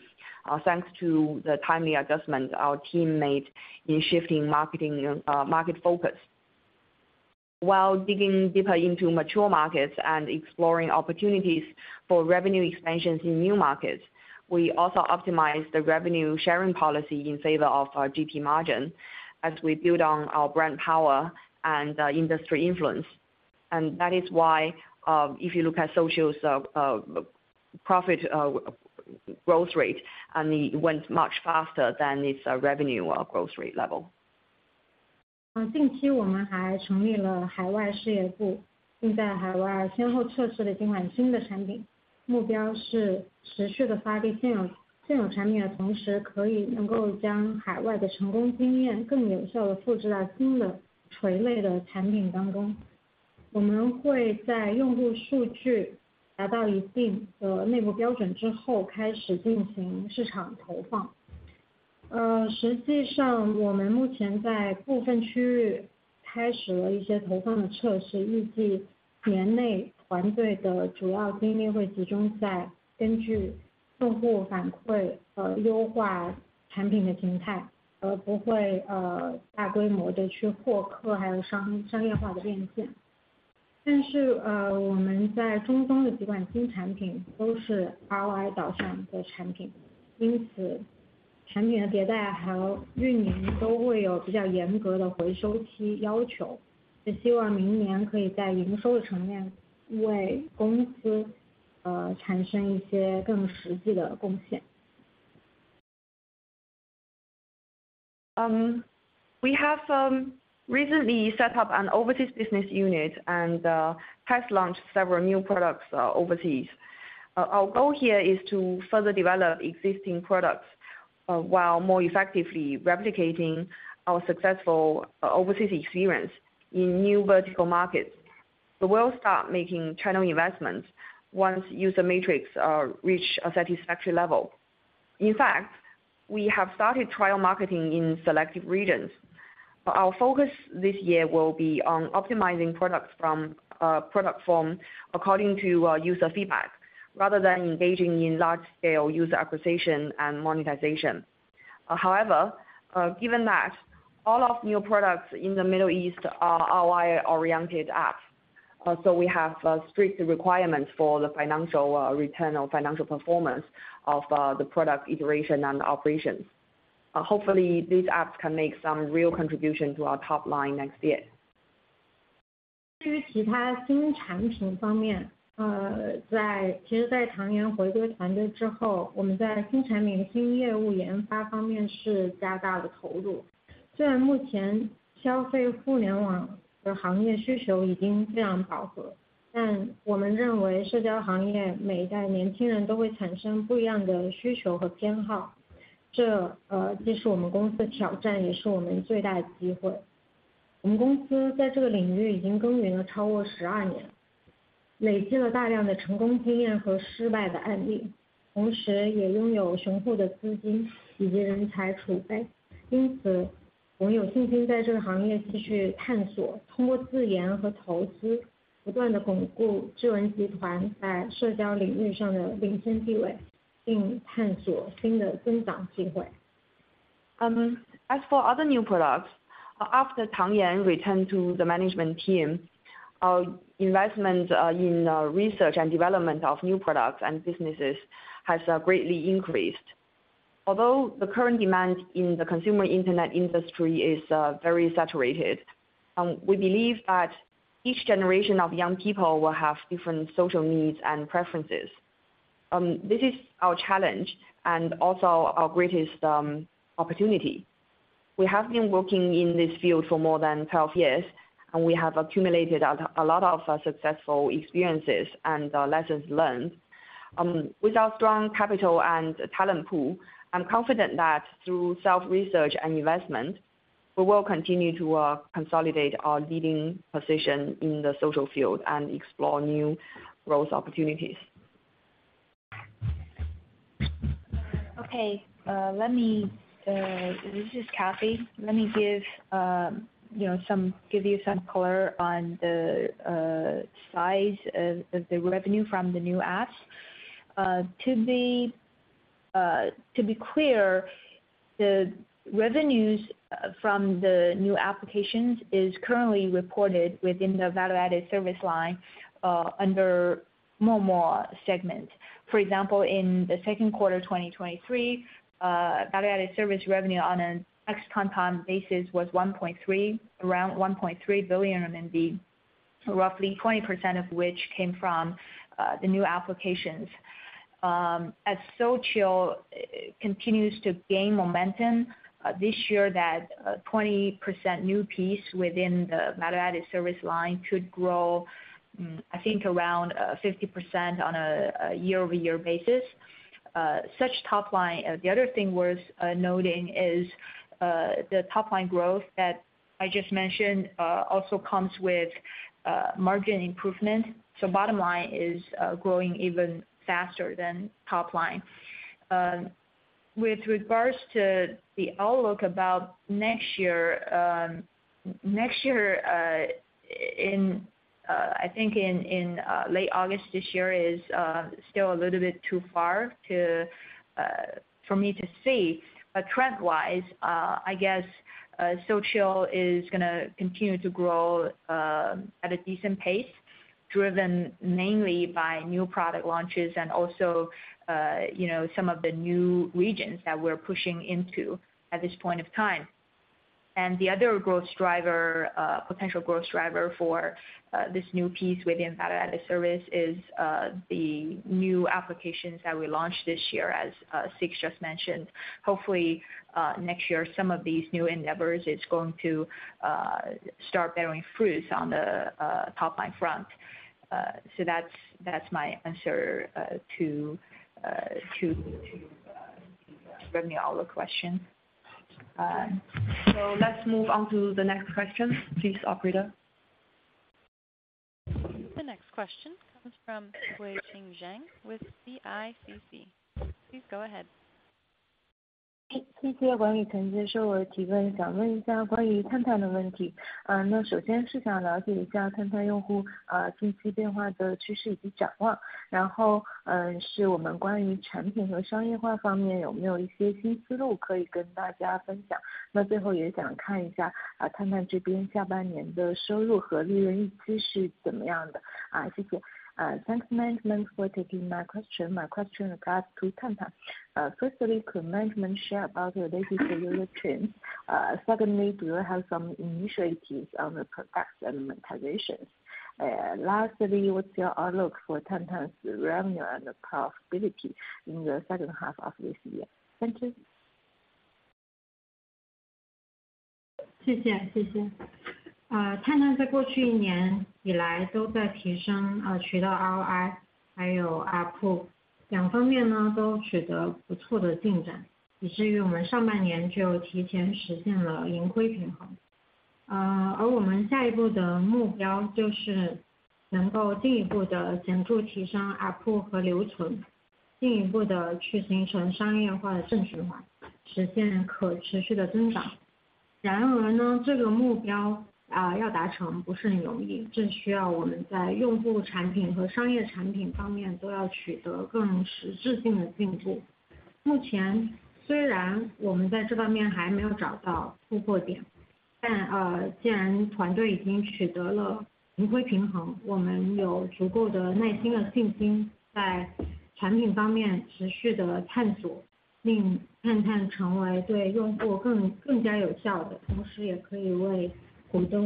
Thanks to the timely adjustment our team made in shifting marketing, market focus. While digging deeper into mature markets and exploring opportunities for revenue expansions in new markets, we also optimize the revenue sharing policy in favor of our GP margin as we build on our brand power and industry influence. That is why, if you look at Soulchill's profit growth rate, and it went much faster than its revenue or growth rate level. 近期我们还成立了海外事业部，并在海外先后测试了几款新的产品，目标是持续地发力，现有，现有产品的同时，可以能够将海外的成功经验更有效地复制到新的垂类产品当中。我们会在用户数据达到一定的内部标准之后，开始进行市场投放。Actually, we are currently starting some投放 testing in some areas. We expect that within the year, the team's main efforts will focus on optimizing the product's form based on user feedback, rather than, on a large scale, acquiring customers, as well as commercialization and monetization. However, our several new products in the Middle East are all ROI-oriented products. Therefore, the product's iterations and operations will have relatively strict payback period requirements. We also hope that next year, we can make some more practical contributions to the company at the revenue level. We have recently set up an overseas business unit and has launched several new products overseas. Our goal here is to further develop existing products, while more effectively replicating our successful overseas experience in new vertical markets. So we'll start making channel investments once user metrics reach a satisfactory level. In fact, we have started trial marketing in selective regions. Our focus this year will be on optimizing products from product form according to user feedback, rather than engaging in large scale user acquisition and monetization. However, given that all of new products in the Middle East are ROI-oriented apps, so we have strict requirements for the financial return or financial performance of the product iteration and operations. Hopefully, these apps can make some real contribution to our top line next year. As for other new products, after Yan Tang returned to the management team, our investments in research and development of new products and businesses has greatly increased. Although the current demand in the consumer internet industry is very saturated, we believe that each generation of young people will have different social needs and preferences. This is our challenge and also our greatest opportunity. We have been working in this field for more than 12 years, and we have accumulated a lot of successful experiences and lessons learned. With our strong capital and talent pool, I'm confident that through self-research and investment, we will continue to consolidate our leading position in the social field and explore new growth opportunities. Okay. Let me, this is Cathy. Let me give, you know, some give you some color on the, size of, of the revenue from the new apps. To be, to be clear, the revenues, from the new applications is currently reported within the value-added service line, under Momo segment. For example, in the second quarter of 2023, value-added service revenue on an ex-Tantan basis was 1.3, around 1.3 billion RMB, roughly 20% of which came from, the new applications. As Soulchill continues to gain momentum, this year that, 20% new piece within the value-added service line could grow, I think around, 50% on a, year-over-year basis. Such top line. The other thing worth noting is the top-line growth that I just mentioned also comes with margin improvement. So bottom line is growing even faster than top line. With regards to the outlook about next year, next year in I think in late August this year is still a little bit too far for me to see. But trend wise, I guess, Soulchill is gonna continue to grow at a decent pace, driven mainly by new product launches and also, you know, some of the new regions that we're pushing into at this point of time. And the other growth driver, potential growth driver for this new piece within value-added service is the new applications that we launched this year, as Sichuan just mentioned. Hopefully, next year, some of these new endeavors is going to start bearing fruits on the top-line front. So that's, that's my answer to the revenue outlook question. Let's move on to the next question, please, operator? The next question comes from Xueqing Zhang with CICC. Please go ahead. Thank you, management, for taking my question. My question regards to Tantan. Firstly, could management share about the latest user trends and outlook for Tantan users' recent changes? Then, regarding product and commercialization aspects, do we have some new ideas to share with everyone? Finally, what are the expectations for revenue and profit on the Tantan side for the second half of the year? Thank you. Secondly, do you have some initiatives on the products and monetization? Lastly, what's your outlook for Tantan's revenue and profitability in the second half of this year? Thank you. Tantan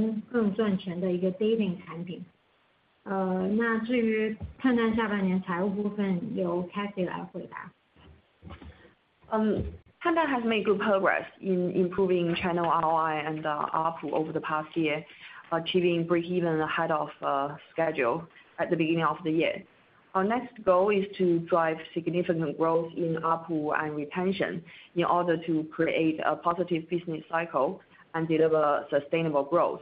has made good progress in improving channel ROI and ARPU over the past year, achieving breakeven ahead of schedule at the beginning of the year. Our next goal is to drive significant growth in ARPU and retention in order to create a positive business cycle and deliver sustainable growth.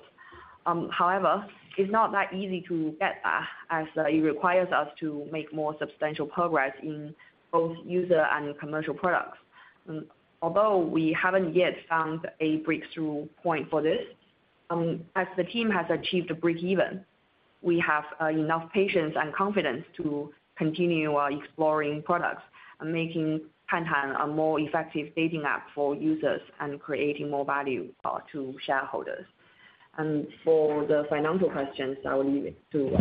However, it's not that easy to get that, as it requires us to make more substantial progress in both user and commercial products. Although we haven't yet found a breakthrough point for this, as the team has achieved breakeven, we have enough patience and confidence to continue exploring products and making Tantan a more effective dating app for users and creating more value to shareholders. For the financial questions, I will leave it to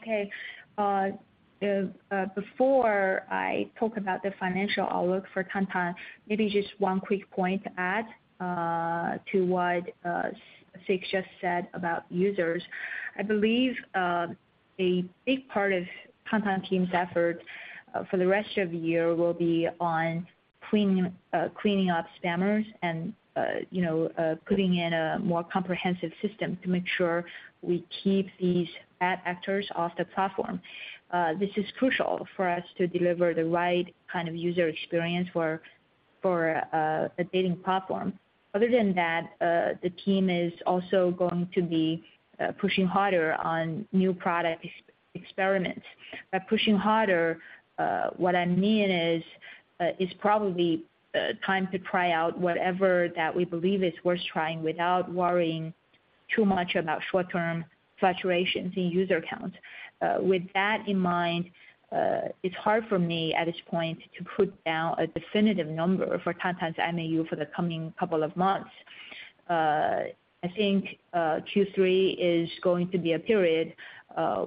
Cathy. Okay. Before I talk about the financial outlook for Tantan, maybe just one quick point to add to what Tang Yan just said about users. I believe a big part of Tantan team's effort for the rest of the year will be on cleaning up spammers and, you know, putting in a more comprehensive system to make sure we keep these bad actors off the platform. This is crucial for us to deliver the right kind of user experience for a dating platform. Other than that, the team is also going to be pushing harder on new product experiments. By pushing harder, what I mean is, it's probably time to try out whatever that we believe is worth trying without worrying too much about short-term fluctuations in user counts. With that in mind, it's hard for me at this point to put down a definitive number for Tantan's MAU for the coming couple of months. I think Q3 is going to be a period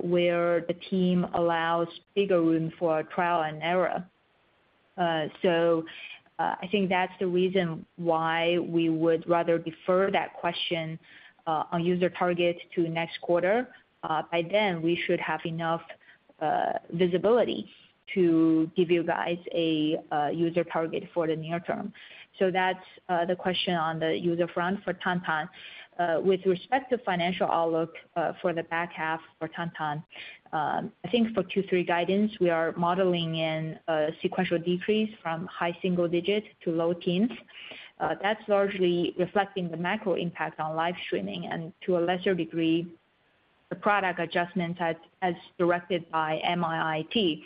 where the team allows bigger room for trial and error. So, I think that's the reason why we would rather defer that question on user target to next quarter. By then, we should have enough visibility to give you guys a user target for the near term. So that's the question on the user front for Tantan. With respect to financial outlook for the back half for Tantan, I think for Q3 guidance, we are modeling in a sequential decrease from high single digit to low teens. That's largely reflecting the macro impact on live streaming and to a lesser degree, the product adjustments as directed by MIIT,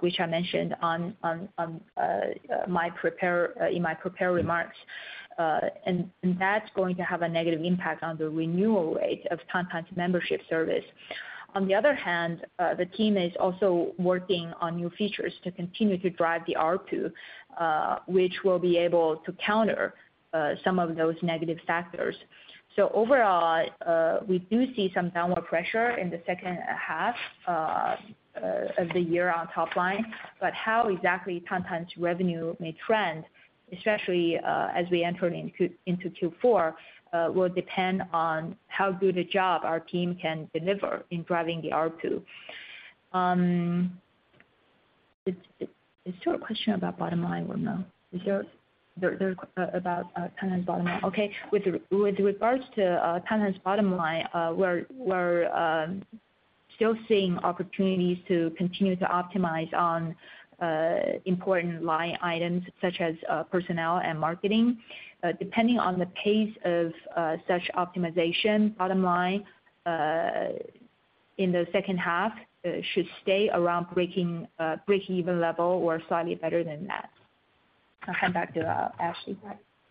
which I mentioned in my prepared remarks. And that's going to have a negative impact on the renewal rate of Tantan's membership service. On the other hand, the team is also working on new features to continue to drive the ARPU, which will be able to counter some of those negative factors. So overall, we do see some downward pressure in the second half of the year on top line. But how exactly Tantan's revenue may trend, especially as we enter into Q4, will depend on how good a job our team can deliver in driving the ARPU. Is there a question about bottom line or no? Is there about Tantan's bottom line? Okay, with regards to Tantan's bottom line, we're still seeing opportunities to continue to optimize on important line items such as personnel and marketing. Depending on the pace of such optimization, bottom line in the second half should stay around breakeven level or slightly better than that. I'll hand back to Ashley.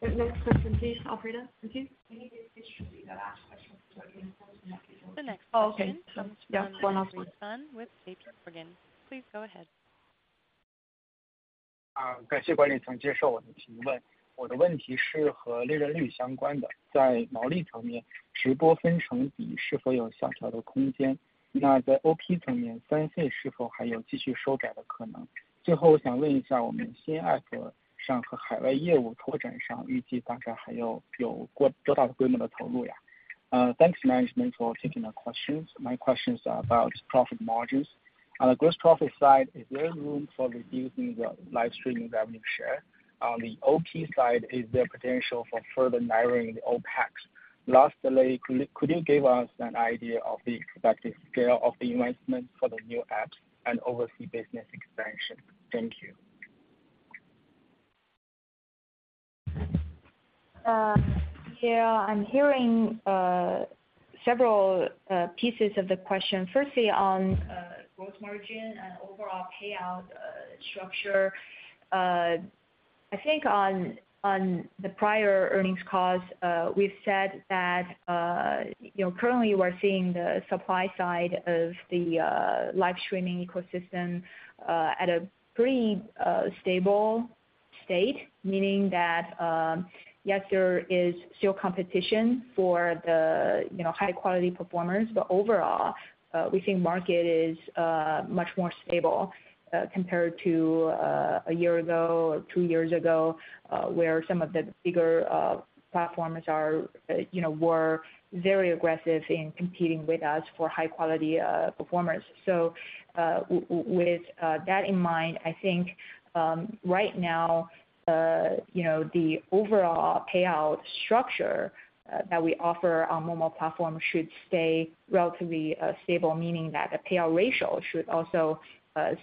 The next person, please, Operator, thank you. I think this should be the last question. Oh, okay. Yeah, one last one. With Peter Morgan. Please go ahead. Thanks management for accepting my question. My question is about profit margins. On the gross profit side, is there room for reducing the live streaming revenue share? On the OP side, is there potential for further narrowing the OpEx? Lastly, could you give us an idea of the expected scale of the investment for the new apps and overseas business expansion? Thank you. Yeah, I'm hearing several pieces of the question. Firstly, on gross margin and overall payout structure. I think on the prior earnings calls, we've said that, you know, currently we're seeing the supply side of the live streaming ecosystem at a pretty stable state. Meaning that, yes, there is still competition for the, you know, high-quality performers, but overall, we think market is much more stable compared to a year ago or two years ago, where some of the bigger platforms were very aggressive in competing with us for high quality performers. So, with that in mind, I think, right now, you know, the overall payout structure that we offer on Momo platform should stay relatively stable, meaning that the payout ratio should also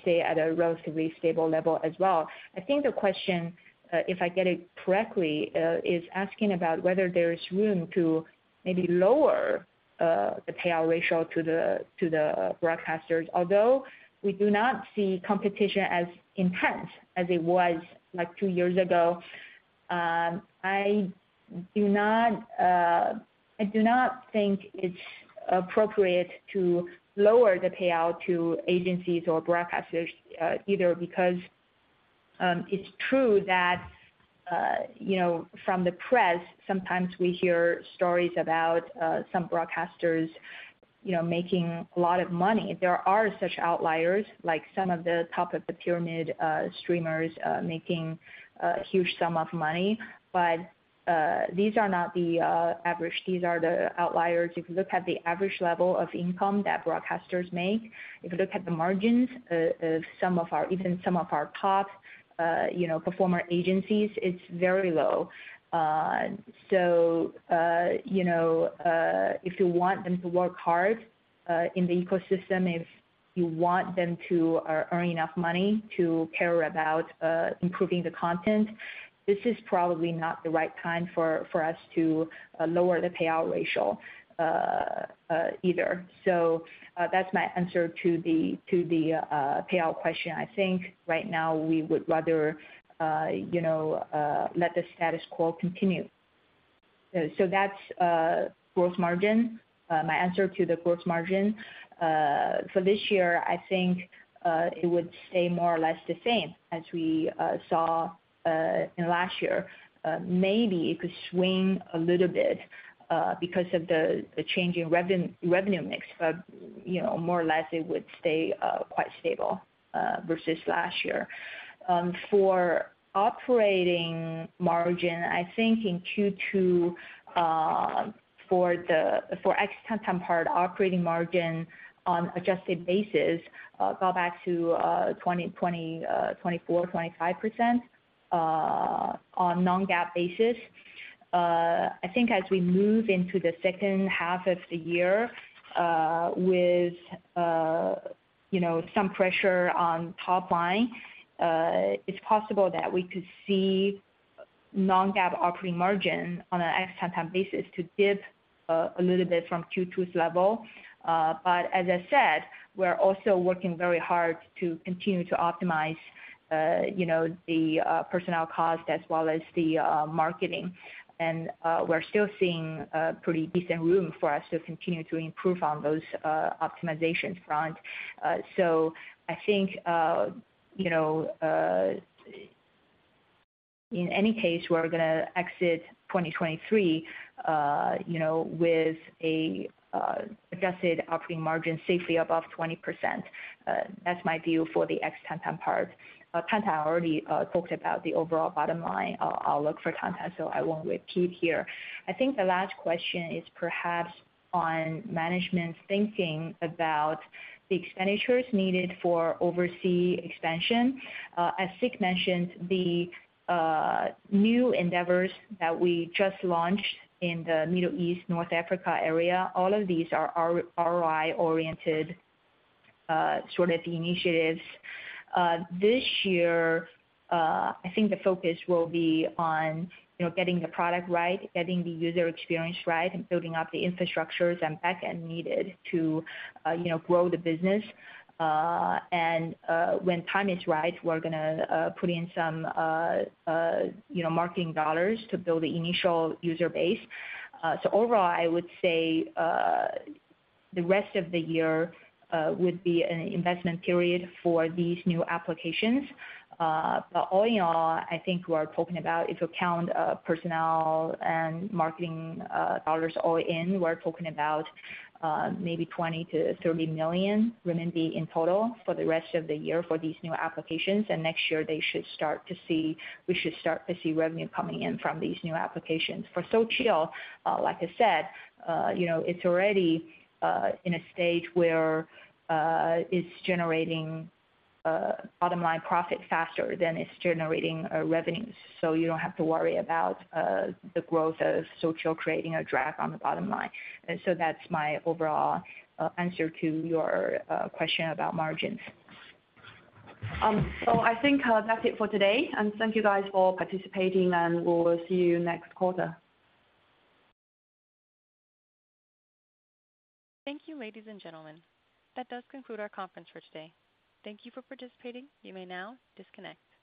stay at a relatively stable level as well. I think the question, if I get it correctly, is asking about whether there is room to maybe lower the payout ratio to the broadcasters. Although we do not see competition as intense as it was like two years ago, I do not think it's appropriate to lower the payout to agencies or broadcasters either. Because it's true that, you know, from the press, sometimes we hear stories about some broadcasters, you know, making a lot of money. There are such outliers, like some of the top of the pyramid, streamers, making a huge sum of money. But, these are not the, average. These are the outliers. If you look at the average level of income that broadcasters make, if you look at the margins, of some of our, even some of our top, you know, performer agencies, it's very low. So, you know, if you want them to work hard, in the ecosystem, if you want them to, earn enough money to care about, improving the content, this is probably not the right time for, for us to, lower the payout ratio, either. So, that's my answer to the, to the, payout question. I think right now we would rather, you know, let the status quo continue. That's gross margin. My answer to the gross margin. For this year, I think it would stay more or less the same as we saw in last year. Maybe it could swing a little bit because of the change in revenue mix, but you know, more or less, it would stay quite stable versus last year. For operating margin, I think in Q2 for the ex-Tantan part, operating margin on adjusted basis go back to 24-25% on Non-GAAP basis. I think as we move into the second half of the year, with you know, some pressure on top line, it's possible that we could see non-GAAP operating margin on an ex-Tantan basis to dip a little bit from Q2's level. But as I said, we're also working very hard to continue to optimize you know, the personnel cost as well as the marketing. And we're still seeing a pretty decent room for us to continue to improve on those optimization front. So I think you know, in any case, we're gonna exit 2023 you know, with a adjusted operating margin safely above 20%. That's my view for the ex-Tantan part. Tantan, I already talked about the overall bottom line. I'll look for Tantan, so I won't repeat here. I think the last question is perhaps on management's thinking about the expenditures needed for overseas expansion. As Sichuan mentioned, the new endeavors that we just launched in the Middle East, North Africa area, all of these are ROI-oriented, sort of the initiatives. This year, I think the focus will be on, you know, getting the product right, getting the user experience right, and building up the infrastructures and backend needed to, you know, grow the business. And when time is right, we're gonna put in some, you know, marketing dollars to build the initial user base. So overall, I would say the rest of the year would be an investment period for these new applications. But all in all, I think we're talking about if you count, personnel and marketing, dollars all in, we're talking about, maybe 20 million-30 million RMB in total for the rest of the year for these new applications. And next year, they should start to see, we should start to see revenue coming in from these new applications. For Soulchill, like I said, you know, it's already, in a stage where, it's generating, bottom-line profit faster than it's generating, revenues. So you don't have to worry about, the growth of Soulchill creating a drag on the bottom line. And so that's my overall, answer to your, question about margins. So I think, that's it for today, and thank you guys for participating, and we'll see you next quarter. Thank you, ladies and gentlemen. That does conclude our conference for today. Thank you for participating. You may now disconnect.